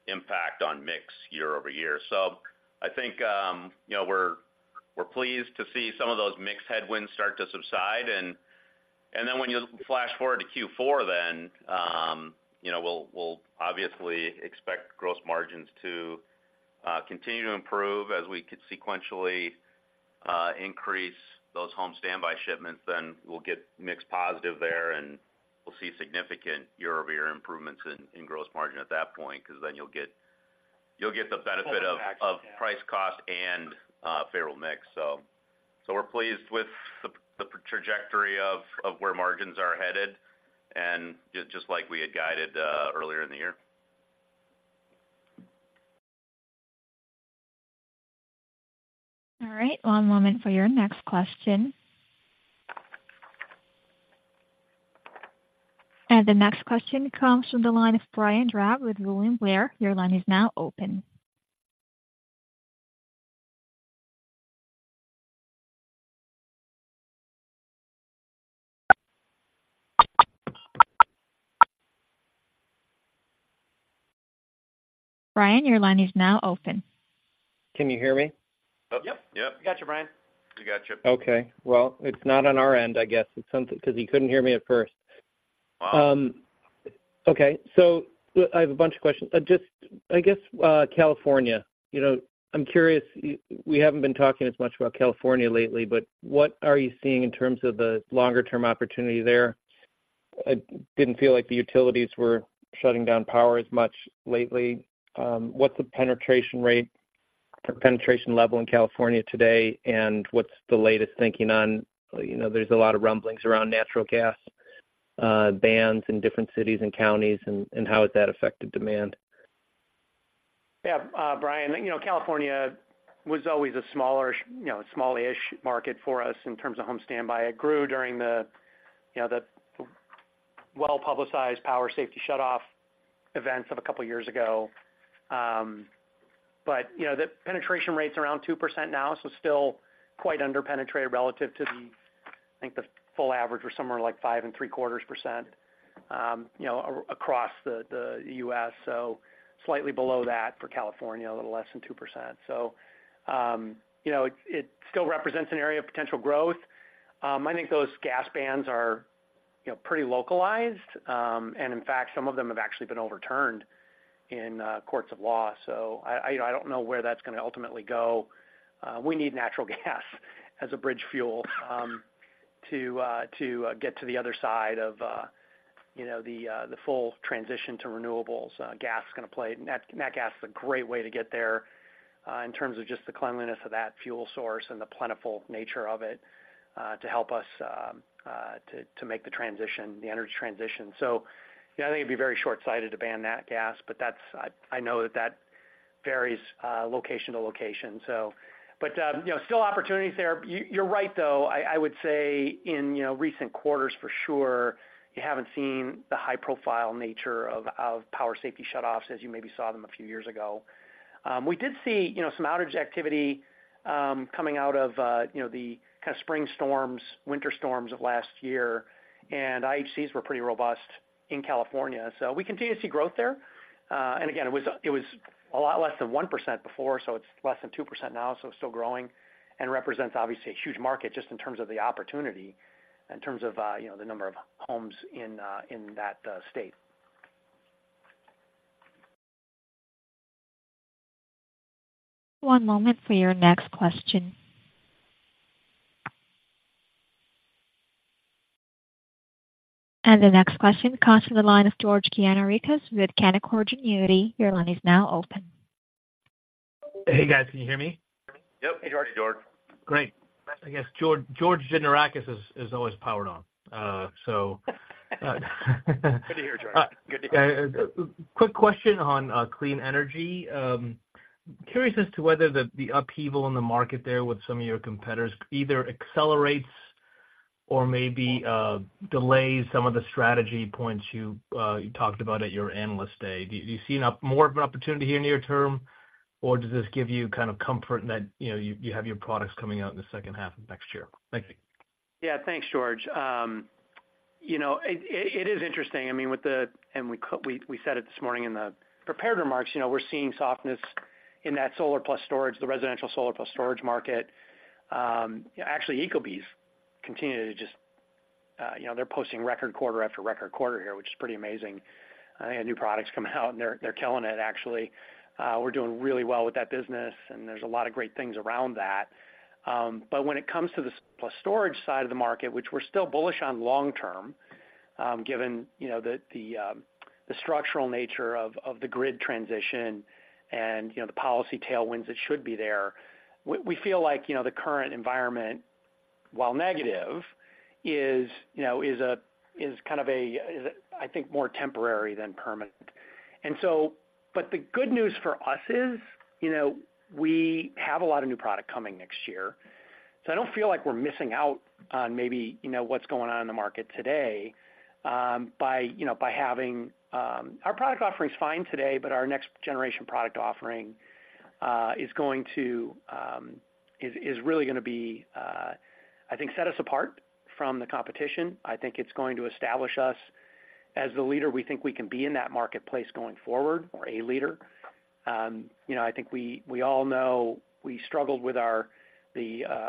impact on mix year-over-year. So I think, you know, we're, we're pleased to see some of those mix headwinds start to subside. And, and then when you flash forward to Q4, then, you know, we'll, we'll obviously expect gross margins to continue to improve as we could sequentially increase those home standby shipments, then we'll get mixed positive there, and we'll see significant year-over-year improvements in, in gross margin at that point, because then you'll get, you'll get the benefit of. Both, yeah. -of price cost and favorable mix. So we're pleased with the trajectory of where margins are headed, and just like we had guided earlier in the year. All right. One moment for your next question. And the next question comes from the line of Brian Drab with William Blair. Your line is now open. Brian, your line is now open. Can you hear me? Yep. Yep. We got you, Brian. We got you. Okay. Well, it's not on our end I guess. It's something, because you couldn't hear me at first. Wow! Okay, so I have a bunch of questions. Just, I guess, California, you know, I'm curious, we haven't been talking as much about California lately, but what are you seeing in terms of the longer-term opportunity there? I didn't feel like the utilities were shutting down power as much lately. What's the penetration rate, or penetration level in California today? And what's the latest thinking on, you know, there's a lot of rumblings around natural gas bans in different cities and counties, and how has that affected demand? Yeah, Brian, you know, California was always a smaller, you know, small-ish market for us in terms of home standby. It grew during the, you know, the well-publicized power safety shutoff events of a couple of years ago. But, you know, the penetration rate's around 2% now, so still quite underpenetrated relative to the, I think, the full average, was somewhere like 5.75%, you know, across the U.S., so slightly below that for California, a little less than 2%. So, you know, it still represents an area of potential growth. I think those gas bans are, you know, pretty localized, and in fact, some of them have actually been overturned in courts of law. So I don't know where that's going to ultimately go. We need natural gas as a bridge fuel to get to the other side of, you know, the full transition to renewables. Natural gas is a great way to get there in terms of just the cleanliness of that fuel source and the plentiful nature of it to help us to make the transition, the energy transition. So, yeah, I think it'd be very short-sighted to ban nat gas, but that's, I know that that varies location to location, so. But, you know, still opportunities there. You're right, though, I would say in, you know, recent quarters, for sure, you haven't seen the high-profile nature of Power Safety Shutoffs as you maybe saw them a few years ago. We did see, you know, some outage activity coming out of, you know, the kind of spring storms, winter storms of last year, and IHCs were pretty robust in California. So we continue to see growth there. And again, it was a lot less than 1% before, so it's less than 2% now, so it's still growing and represents, obviously, a huge market just in terms of the opportunity, in terms of, you know, the number of homes in that state. One moment for your next question. The next question comes from the line of George Gianarikas with Canaccord Genuity. Your line is now open. Hey, guys, can you hear me? Yep. Hey, George. Hey, George. Great. I guess George Gianarikas is always powered on. So good to hear you George. Quick question on clean energy. Curious as to whether the upheaval in the market there with some of your competitors either accelerates or maybe delays some of the strategy points you talked about at your Analyst Day. Do you see more of an opportunity here near term, or does this give you kind of comfort that, you know, you have your products coming out in the second half of next year? Thank you. Yeah. Thanks, George. You know, it is interesting. I mean, with the-- and we said it this morning in the prepared remarks, you know, we're seeing softness in that solar plus storage, the residential solar plus storage market. Actually, Ecobee's continued to just, you know, they're posting record quarter after record quarter here, which is pretty amazing. They have new products coming out, and they're killing it, actually. We're doing really well with that business, and there's a lot of great things around that. But when it comes to the plus storage side of the market, which we're still bullish on long term, given, you know, the structural nature of the grid transition and, you know, the policy tailwinds that should be there. We feel like, you know, the current environment, while negative, is, you know, kind of a, I think, more temporary than permanent. And so, but the good news for us is, you know, we have a lot of new product coming next year, so I don't feel like we're missing out on maybe, you know, what's going on in the market today, by, you know, by having. Our product offering is fine today, but our next generation product offering is going to, is really going to be, I think, set us apart from the competition. I think it's going to establish us as the leader we think we can be in that marketplace going forward, or a leader. You know, I think we all know we struggled with our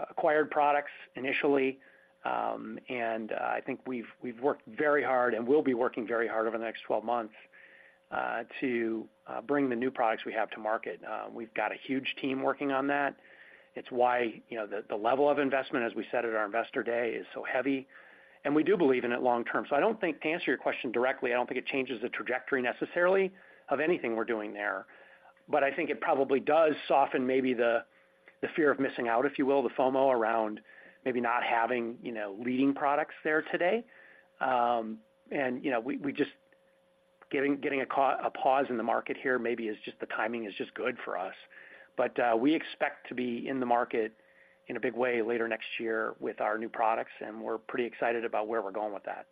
acquired products initially, and I think we've worked very hard and will be working very hard over the next 12 months to bring the new products we have to market. We've got a huge team working on that. It's why, you know, the level of investment, as we said at our Investor Day, is so heavy, and we do believe in it long term. So I don't think, to answer your question directly, I don't think it changes the trajectory necessarily of anything we're doing there. But I think it probably does soften maybe the fear of missing out, if you will, the FOMO around maybe not having, you know, leading products there today. You know, we just getting a pause in the market here. Maybe the timing is just good for us. But we expect to be in the market in a big way later next year with our new products, and we're pretty excited about where we're going with that.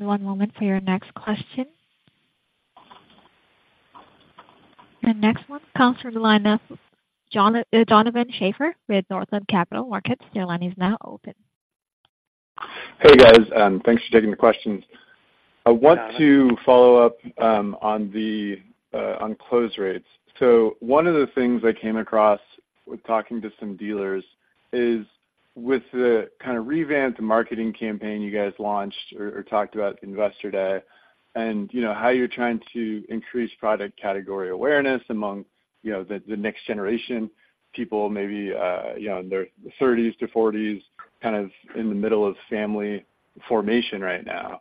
One moment for your next question. The next one comes from the line of Donovan Schaeffer with Northland Capital Markets. Your line is now open. Hey, guys, thanks for taking the questions. I want to follow up on close rates. So one of the things I came across with talking to some dealers is with the kind of revamped marketing campaign you guys launched or talked about Investor Day, and, you know, how you're trying to increase product category awareness among, you know, the, the next generation people, maybe, you know, in their 30s to 40s, kind of in the middle of family formation right now?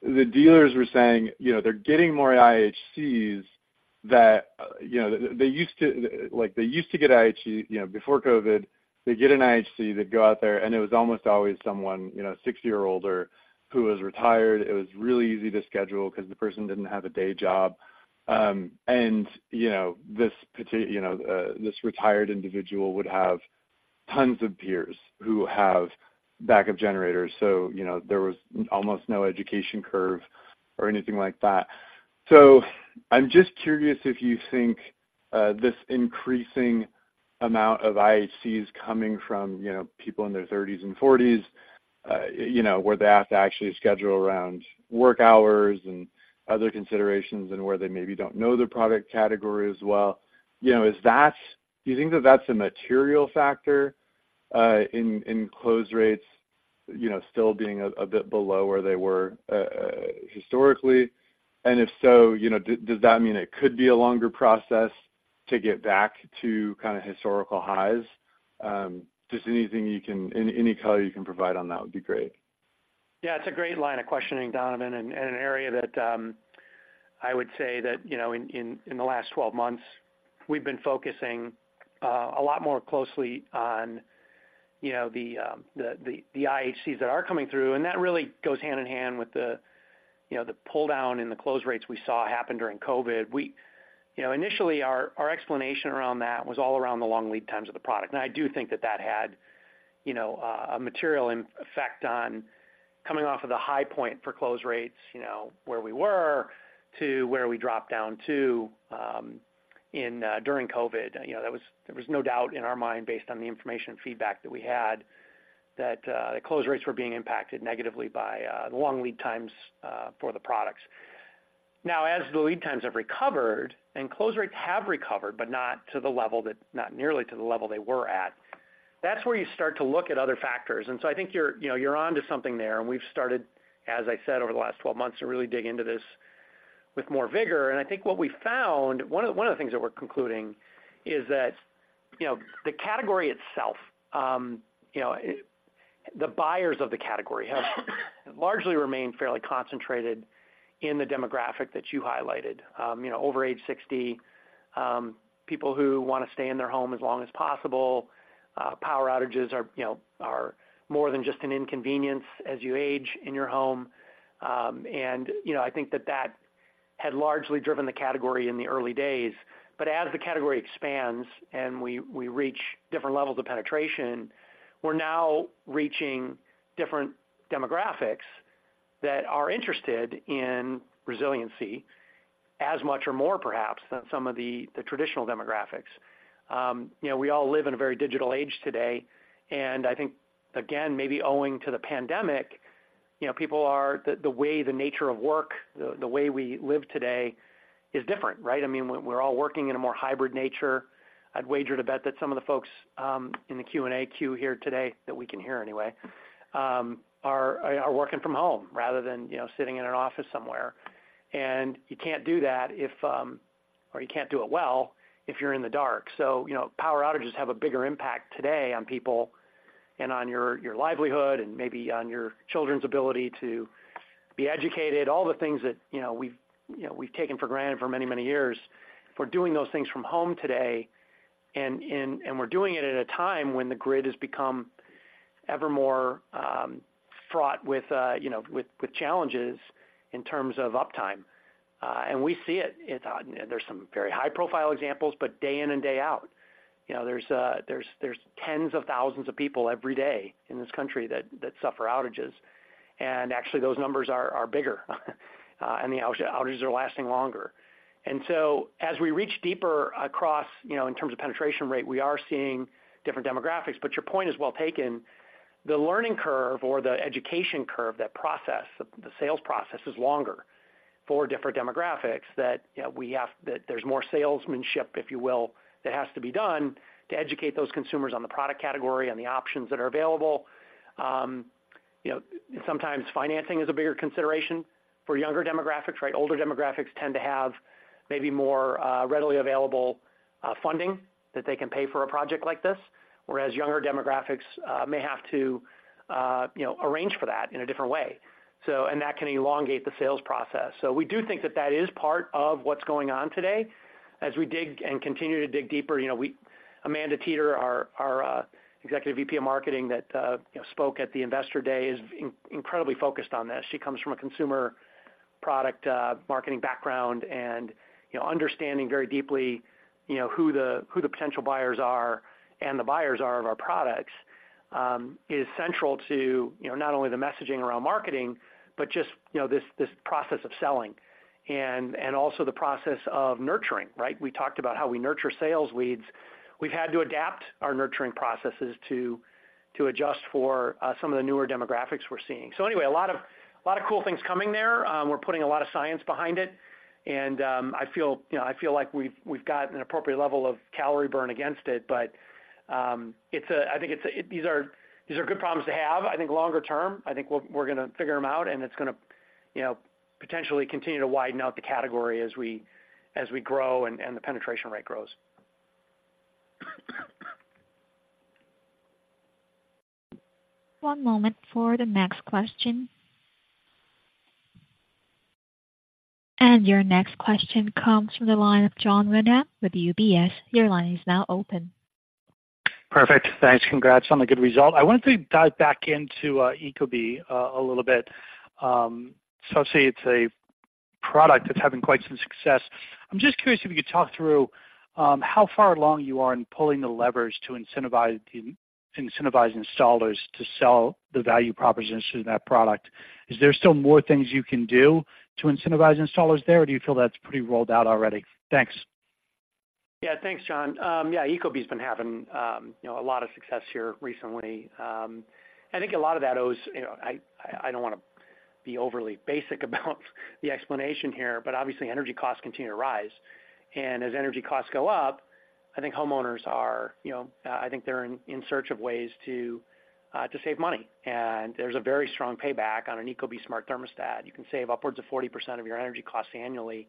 The dealers were saying, you know, they're getting more IHCs that, you know, they used to—like, they used to get IHC, you know, before COVID, they get an IHC, they'd go out there, and it was almost always someone, you know, 60 years older, who was retired. It was really easy to schedule 'cause the person didn't have a day job. And, you know, this retired individual would have tons of peers who have backup generators. So, you know, there was almost no education curve or anything like that. So I'm just curious if you think this increasing amount of IHCs coming from, you know, people in their thirties and forties, you know, where they have to actually schedule around work hours and other considerations, and where they maybe don't know the product category as well. You know, is that, do you think that that's a material factor in close rates, you know, still being a bit below where they were historically? And if so, you know, does that mean it could be a longer process to get back to kind of historical highs? Just anything you can, any color you can provide on that would be great. Yeah, it's a great line of questioning, Donovan, and an area that I would say that you know in the last 12 months we've been focusing a lot more closely on you know the IHCs that are coming through, and that really goes hand-in-hand with you know the pull-down in the close rates we saw happen during COVID. We, you know, initially, our explanation around that was all around the long lead times of the product. And I do think that that had you know a material effect on coming off of the high point for close rates you know where we were to where we dropped down to in during COVID. You know, there was no doubt in our mind, based on the information and feedback that we had, that the close rates were being impacted negatively by the long lead times for the products. Now, as the lead times have recovered, and close rates have recovered, but not to the level that, not nearly to the level they were at, that's where you start to look at other factors. And so I think you're, you know, you're onto something there. And we've started, as I said, over the last 12 months, to really dig into this with more vigor. And I think what we found, one of the things that we're concluding is that, you know, the category itself, you know, the buyers of the category have largely remained fairly concentrated in the demographic that you highlighted. You know, over age 60, people who wanna stay in their home as long as possible, power outages are, you know, are more than just an inconvenience as you age in your home. And, you know, I think that that had largely driven the category in the early days. But as the category expands and we reach different levels of penetration, we're now reaching different demographics that are interested in resiliency as much or more, perhaps, than some of the traditional demographics. You know, we all live in a very digital age today, and I think, again, maybe owing to the pandemic, you know, people are, the way the nature of work, the way we live today is different, right? I mean, we're all working in a more hybrid nature. I'd wager to bet that some of the folks in the Q&A queue here today, that we can hear anyway, are working from home rather than, you know, sitting in an office somewhere. And you can't do that if, or you can't do it well, if you're in the dark. So, you know, power outages have a bigger impact today on people and on your livelihood and maybe on your children's ability to be educated, all the things that, you know, we've, you know, we've taken for granted for many, many years. We're doing those things from home today, and we're doing it at a time when the grid has become ever more fraught with, you know, with challenges in terms of uptime. And we see it. It's there's some very high-profile examples, but day in and day out, you know, there's tens of thousands of people every day in this country that suffer outages. And actually, those numbers are bigger, and the outages are lasting longer. And so as we reach deeper across, you know, in terms of penetration rate, we are seeing different demographics, but your point is well taken. The learning curve or the education curve, that process, the sales process, is longer for different demographics that, you know, we have, that there's more salesmanship, if you will, that has to be done to educate those consumers on the product category and the options that are available. You know, sometimes financing is a bigger consideration for younger demographics, right? Older demographics tend to have maybe more readily available funding that they can pay for a project like this, whereas younger demographics may have to you know arrange for that in a different way. And that can elongate the sales process. So we do think that that is part of what's going on today. As we dig and continue to dig deeper, you know, Amanda Teder, our Executive VP of Marketing that you know spoke at the Investor Day, is incredibly focused on this. She comes from a consumer product marketing background, and, you know, understanding very deeply, you know, who the potential buyers are, and the buyers are of our products, is central to, you know, not only the messaging around marketing, but just, you know, this process of selling and also the process of nurturing, right? We talked about how we nurture sales leads. We've had to adapt our nurturing processes to adjust for some of the newer demographics we're seeing. So anyway, a lot of cool things coming there. We're putting a lot of science behind it, and I feel, you know, I feel like we've got an appropriate level of calorie burn against it. But it's a I think it's these are these are good problems to have. I think longer term, I think we're gonna figure them out, and it's gonna, you know, potentially continue to widen out the category as we grow and the penetration rate grows. One moment for the next question. Your next question comes from the line of Jon Windham with UBS. Your line is now open. Perfect. Thanks. Congrats on the good result. I wanted to dive back into Ecobee, a little bit. I see it's a product that's having quite some success. I'm just curious if you could talk through how far along you are in pulling the levers to incentivize installers to sell the value proposition of that product. Is there still more things you can do to incentivize installers there, or do you feel that's pretty rolled out already? Thanks. Yeah, thanks, John. Yeah, Ecobee's been having, you know, a lot of success here recently. I think a lot of that owes, you know, I, I don't wanna be overly basic about the explanation here, but obviously, energy costs continue to rise. And as energy costs go up, I think homeowners are, you know, I think they're in, in search of ways to, to save money. And there's a very strong payback on an Ecobee Smart Thermostat. You can save upwards of 40% of your energy costs annually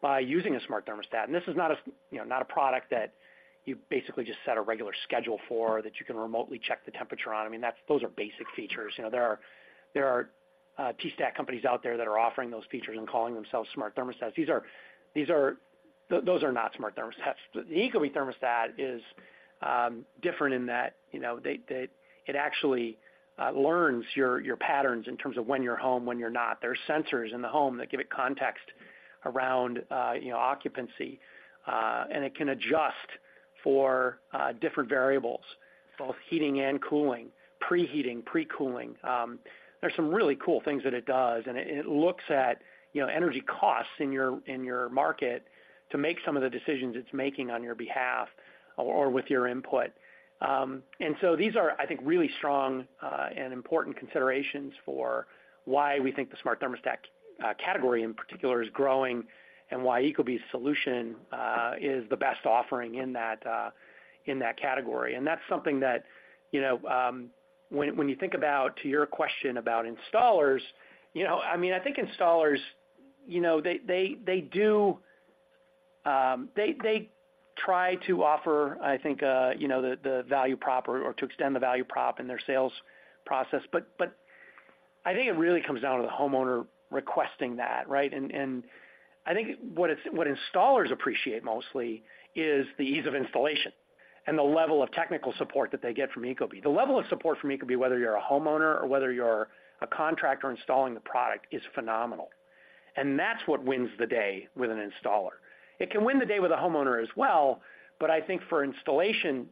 by using a smart thermostat. And this is not a, you know, not a product that you basically just set a regular schedule for, that you can remotely check the temperature on. I mean, that's, those are basic features. You know, there are T-stat companies out there that are offering those features and calling themselves smart thermostats. These are, those are not smart thermostats. The Ecobee Thermostat is different in that, you know, it actually learns your patterns in terms of when you're home, when you're not. There are sensors in the home that give it context around, you know, occupancy, and it can adjust for different variables, both heating and cooling, preheating, pre-cooling. There are some really cool things that it does, and it looks at, you know, energy costs in your market to make some of the decisions it's making on your behalf or with your input. And so these are, I think, really strong and important considerations for why we think the smart thermostat category, in particular, is growing and why Ecobee's Solution is the best offering in that category. And that's something that, you know, when you think about, to your question about installers, you know, I mean, I think installers, you know, they do try to offer, I think, you know, the value prop or to extend the value prop in their sales process. But I think it really comes down to the homeowner requesting that, right? And I think what installers appreciate mostly is the ease of installation and the level of technical support that they get from Ecobee. The level of support from Ecobee, whether you're a homeowner or whether you're a contractor installing the product, is phenomenal, and that's what wins the day with an installer. It can win the day with a homeowner as well, but I think for installation,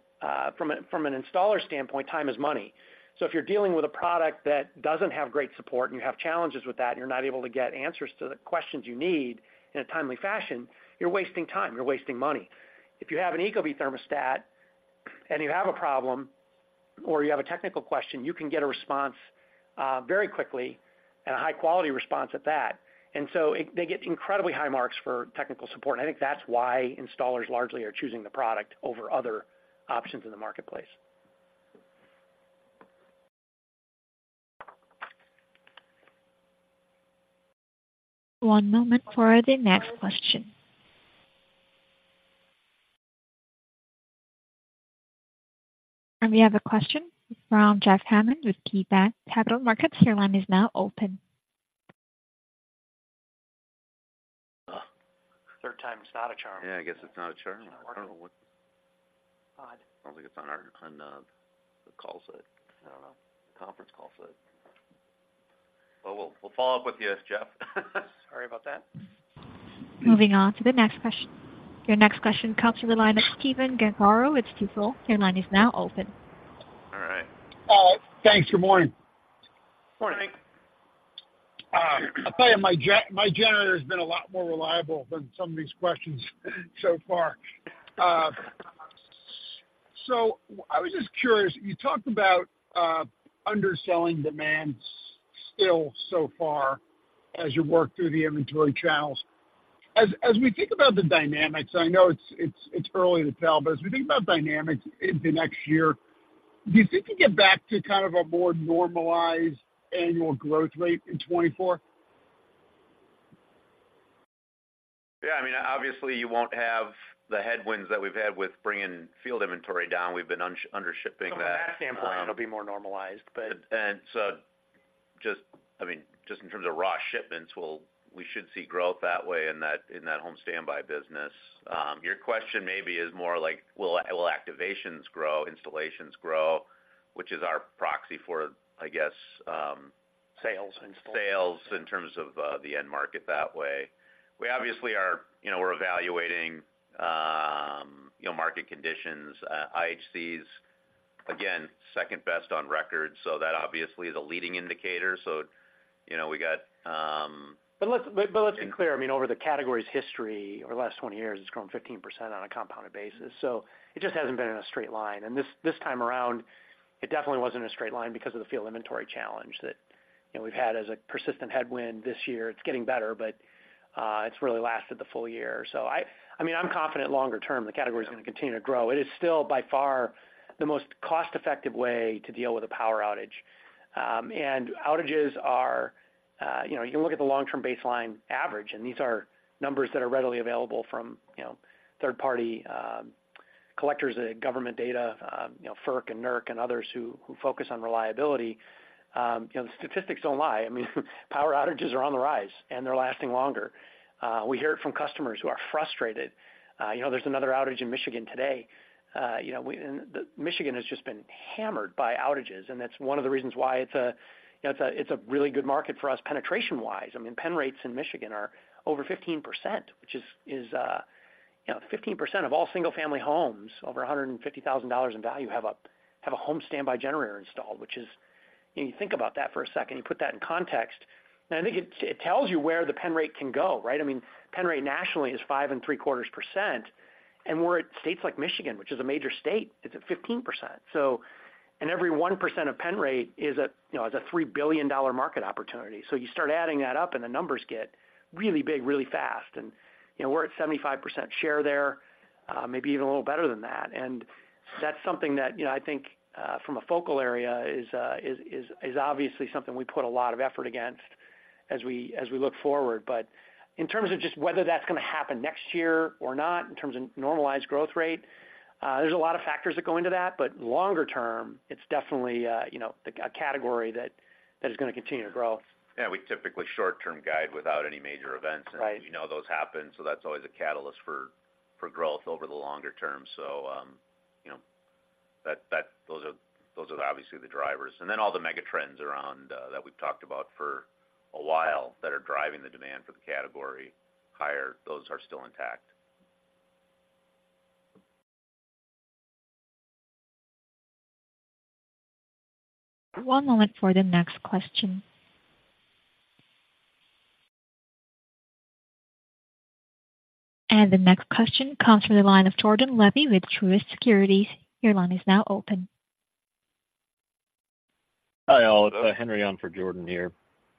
from an installer standpoint, time is money. So if you're dealing with a product that doesn't have great support, and you have challenges with that, and you're not able to get answers to the questions you need in a timely fashion, you're wasting time, you're wasting money. If you have an Ecobee Thermostat and you have a problem or you have a technical question, you can get a response, very quickly and a high-quality response at that. And so they get incredibly high marks for technical support, and I think that's why installers largely are choosing the product over other options in the marketplace. One moment for the next question. We have a question from Jeff Hammond with KeyBanc Capital Markets. Your line is now open. Third time's not a charm. Yeah, I guess it's not a charm. I don't know what- Odd. I don't think it's on our, on the call side. I don't know, the conference call side. But we'll follow up with you, Jeff. Sorry about that. Moving on to the next question. Your next question comes from the line of Stephen Gengaro with Stifel. Your line is now open. All right. Thanks. Good morning. Good morning. I'll tell you, my generator has been a lot more reliable than some of these questions so far. So I was just curious, you talked about underselling demand still so far as you work through the inventory channels. As we think about the dynamics, I know it's early to tell, but as we think about dynamics in the next year, do you think you get back to kind of a more normalized annual growth rate in 2024? Yeah, I mean, obviously, you won't have the headwinds that we've had with bringing Field Inventory down. We've been undershipping that. From that standpoint, it'll be more normalized, but- Just, I mean, just in terms of raw shipments, we should see growth that way in that home standby business. Your question maybe is more like, will activations grow, installations grow, which is our proxy for, I guess, Sales. -sales, in terms of, the end market that way. We obviously are, you know, we're evaluating, you know, market conditions, IHCs, again, second best on record, so that obviously is a leading indicator. So, you know, we got- But let's, but let's be clear, I mean, over the category's history, over the last 20 years, it's grown 15% on a compounded basis, so it just hasn't been in a straight line. And this, this time around, it definitely wasn't a straight line because of the field inventory challenge that, you know, we've had as a persistent headwind this year. It's getting better, but, it's really lasted the full year. So I, I mean, I'm confident longer term, the category is going to continue to grow. It is still, by far, the most cost-effective way to deal with a power outage. And outages are, you know, you can look at the long-term baseline average, and these are numbers that are readily available from, you know, third-party, collectors of government data, you know, FERC and NERC and others who, who focus on reliability. You know, the statistics don't lie. I mean, power outages are on the rise, and they're lasting longer. We hear it from customers who are frustrated. You know, there's another outage in Michigan today. You know, and Michigan has just been hammered by outages, and that's one of the reasons why it's a, you know, it's a, it's a really good market for us, penetration-wise. I mean, pen rates in Michigan are over 15%, which is, is, you know, 15% of all single-family homes over $150,000 in value have a, have a home standby generator installed, which is, you think about that for a second, you put that in context, and I think it, it tells you where the pen rate can go, right? I mean, pen rate nationally is 5.75%, and we're at states like Michigan, which is a major state, it's at 15%. So and every 1% of pen rate is a, you know, is a $3 billion market opportunity. So you start adding that up, and the numbers get really big, really fast. And, you know, we're at 75% share there, maybe even a little better than that. And that's something that, you know, I think, from a focal area is obviously something we put a lot of effort against as we look forward. In terms of just whether that's going to happen next year or not, in terms of normalized growth rate, there's a lot of factors that go into that, but longer term, it's definitely, you know, a category that is going to continue to grow. Yeah, we typically short-term guide without any major events- Right. - and we know those happen, so that's always a catalyst for growth over the longer term. So, you know, those are obviously the drivers. And then all the mega trends around that we've talked about for a while that are driving the demand for the category higher, those are still intact. One moment for the next question. The next question comes from the line of Jordan Levy with Truist Securities. Your line is now open. Hi, all. Henry on for Jordan here.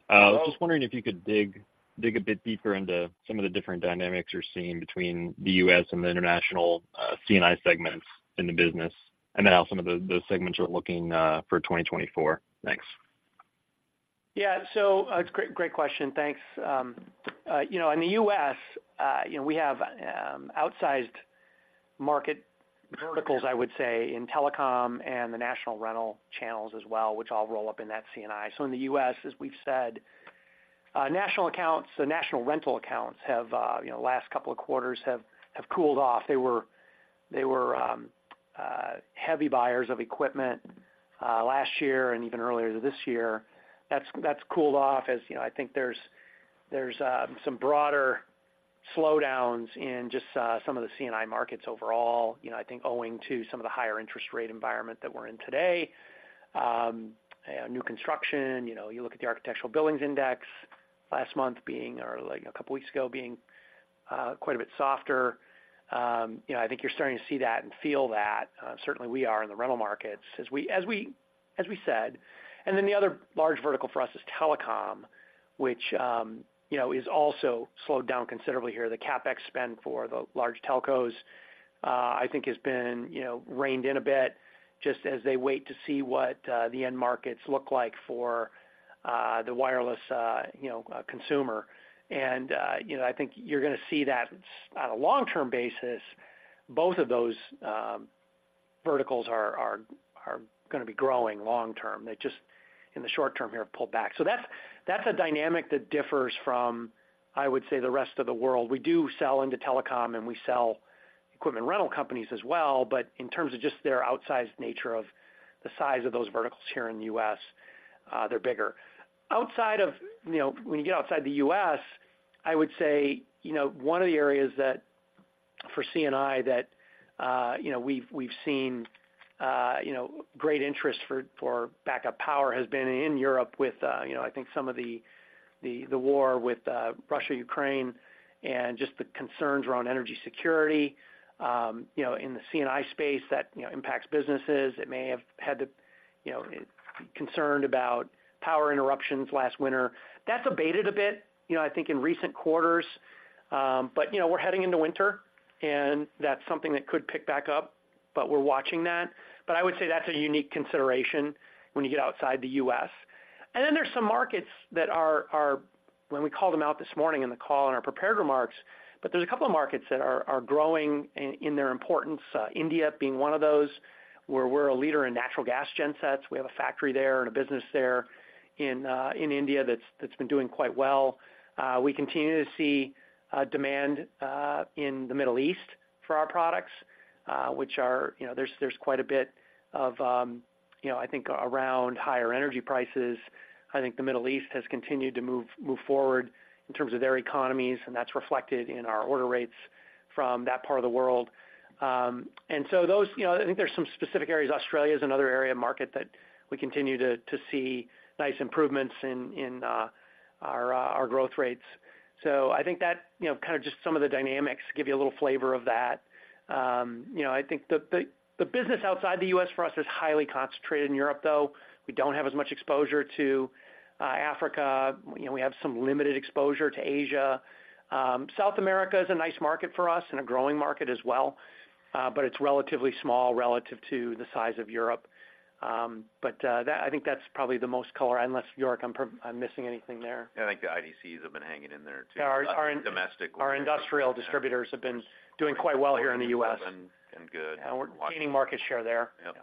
I was just wondering if you could dig a bit deeper into some of the different dynamics you're seeing between the U.S. and the international C&I segments in the business, and then how some of those segments are looking for 2024. Thanks. Yeah, so, it's a great, great question. Thanks. You know, in the U.S., you know, we have outsized market verticals, I would say, in telecom and the national rental channels as well, which I'll roll up in that C&I. So in the U.S., as we've said, national accounts, the national rental accounts have, you know, last couple of quarters have cooled off. They were heavy buyers of equipment last year and even earlier this year. That's cooled off, as you know. I think there's some broader slowdowns in just some of the C&I markets overall, you know. I think owing to some of the higher interest rate environment that we're in today. New construction, you know, you look at the architectural billings index last month being, or like a couple weeks ago, being quite a bit softer. You know, I think you're starting to see that and feel that, certainly we are in the rental markets as we said. And then the other large vertical for us is telecom, which, you know, is also slowed down considerably here. The CapEx spend for the large telcos, I think has been, you know, reined in a bit just as they wait to see what the end markets look like for the wireless, you know, consumer. And, you know, I think you're going to see that on a long-term basis, both of those verticals are going to be growing long term. They just, in the short term, have pulled back. So that's a dynamic that differs from, I would say, the rest of the world. We do sell into telecom, and we sell equipment rental companies as well. But in terms of just their outsized nature of the size of those verticals here in the U.S., they're bigger. Outside of, you know, when you get outside the U.S., I would say, you know, one of the areas that for C&I that, you know, we've seen, you know, great interest for backup power has been in Europe with, you know, I think some of the war with Russia, Ukraine, and just the concerns around energy security. You know, in the C&I space, that, you know, impacts businesses. It may have had to, you know, concerned about power interruptions last winter. That's abated a bit, you know, I think, in recent quarters. But, you know, we're heading into winter, and that's something that could pick back up, but we're watching that. But I would say that's a unique consideration when you get outside the U.S. And then there's some markets that are. When we called them out this morning in the call in our prepared remarks, but there's a couple of markets that are growing in their importance, India being one of those, where we're a leader in natural gas gen sets. We have a factory there and a business there in India that's been doing quite well. We continue to see demand in the Middle East for our products, which are, you know, there's quite a bit of, you know, I think around higher energy prices. I think the Middle East has continued to move forward in terms of their economies, and that's reflected in our order rates from that part of the world. And so those, you know, I think there's some specific areas. Australia is another area of market that we continue to see nice improvements in our growth rates. So I think that, you know, kind of just some of the dynamics give you a little flavor of that. You know, I think the business outside the U.S. for us is highly concentrated in Europe, though. We don't have as much exposure to Africa. You know, we have some limited exposure to Asia. South America is a nice market for us and a growing market as well, but it's relatively small relative to the size of Europe. But, I think that's probably the most color, unless, York, I'm missing anything there. I think the IHCs have been hanging in there, too, domestic. Our industrial distributors have been doing quite well here in the U.S. Been good. We're gaining market share there. Yep.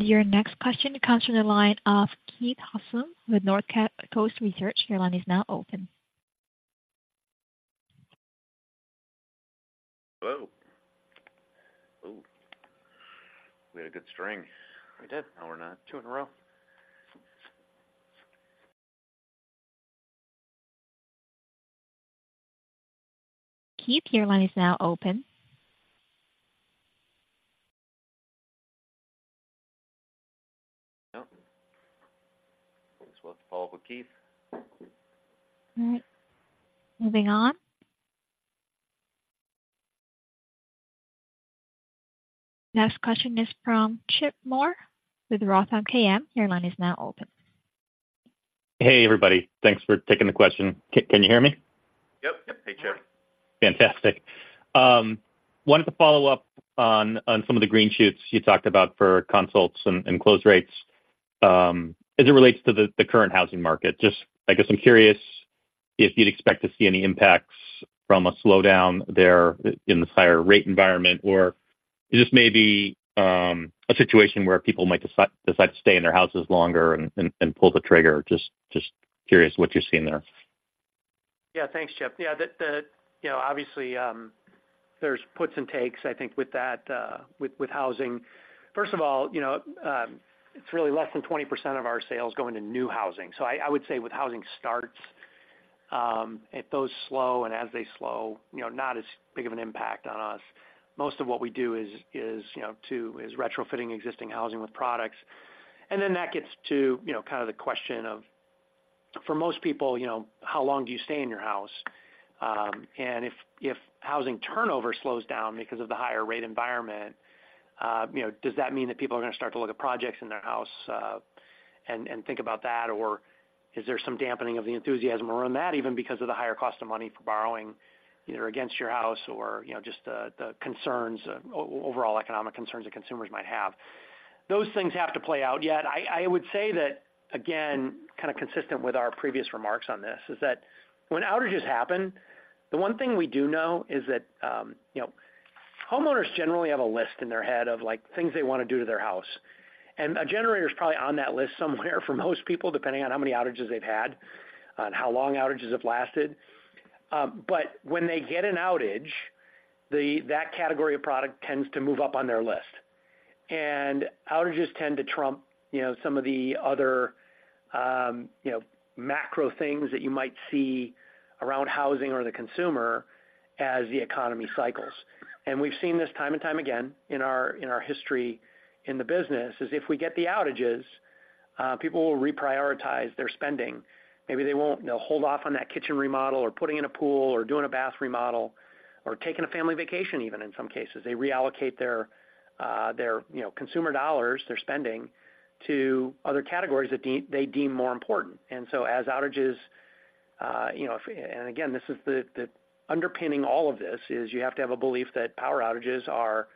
Your next question comes from the line of Keith Housum with Northcoast Research. Your line is now open. Whoa! Oh, we had a good string. We did. Now we're not. Two in a row. Keith, your line is now open. Oh, guess we'll follow up with Keith. All right. Moving on. Next question is from Chip Moore with ROTH MKM. Your line is now open. Hey, everybody. Thanks for taking the question. Can you hear me? Yep. Yep. Hey, Chip. Fantastic. Wanted to follow up on some of the green shoots you talked about for consults and close rates, as it relates to the current housing market. Just, I guess I'm curious if you'd expect to see any impacts from a slowdown there in this higher rate environment, or this may be a situation where people might decide to stay in their houses longer and pull the trigger. Just curious what you're seeing there. Yeah. Thanks, Chip. Yeah, the, you know, obviously, there's puts and takes, I think, with that, with housing. First of all, you know, it's really less than 20% of our sales going to new housing. So I would say with housing starts, if those slow and as they slow, you know, not as big of an impact on us. Most of what we do is retrofitting existing housing with products. And then that gets to, you know, kind of the question of, for most people, you know, how long do you stay in your house? And if housing turnover slows down because of the higher rate environment, you know, does that mean that people are going to start to look at projects in their house, and think about that? Or is there some dampening of the enthusiasm around that, even because of the higher cost of money for borrowing, either against your house or, you know, just the, the concerns, overall economic concerns that consumers might have? Those things have to play out yet. I would say that, again, kind of consistent with our previous remarks on this, is that when outages happen, the one thing we do know is that, you know, homeowners generally have a list in their head of, like, things they want to do to their house. And a generator is probably on that list somewhere for most people, depending on how many outages they've had and how long outages have lasted. But when they get an outage, that category of product tends to move up on their list. Outages tend to trump, you know, some of the other, you know, macro things that you might see around housing or the consumer as the economy cycles. We've seen this time and time again in our, in our history in the business, is if we get the outages, people will reprioritize their spending. Maybe they won't, you know, hold off on that kitchen remodel or putting in a pool or doing a bath remodel or taking a family vacation even in some cases. They reallocate their, their, you know, consumer dollars, their spending, to other categories that they deem more important. So as outages, you know, if, and again, this is the, the underpinning all of this, is you have to have a belief that power outages are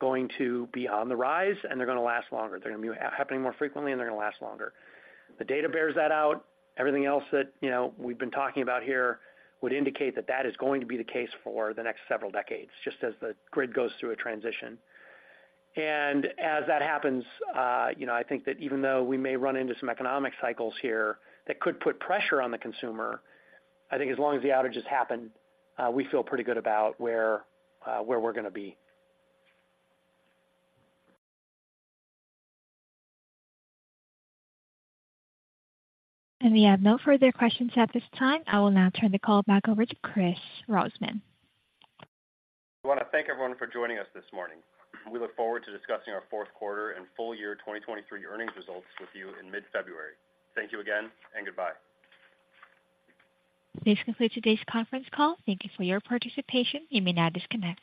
going to be on the rise, and they're going to last longer. They're going to be happening more frequently, and they're going to last longer. The data bears that out. Everything else that, you know, we've been talking about here would indicate that that is going to be the case for the next several decades, just as the grid goes through a transition. And as that happens, you know, I think that even though we may run into some economic cycles here that could put pressure on the consumer, I think as long as the outages happen, we feel pretty good about where, where we're going to be. We have no further questions at this time. I will now turn the call back over to Chris Roseman. We want to thank everyone for joining us this morning. We look forward to discussing our fourth quarter and full year 2023 earnings results with you in mid-February. Thank you again, and goodbye. This concludes today's conference call. Thank you for your participation. You may now disconnect.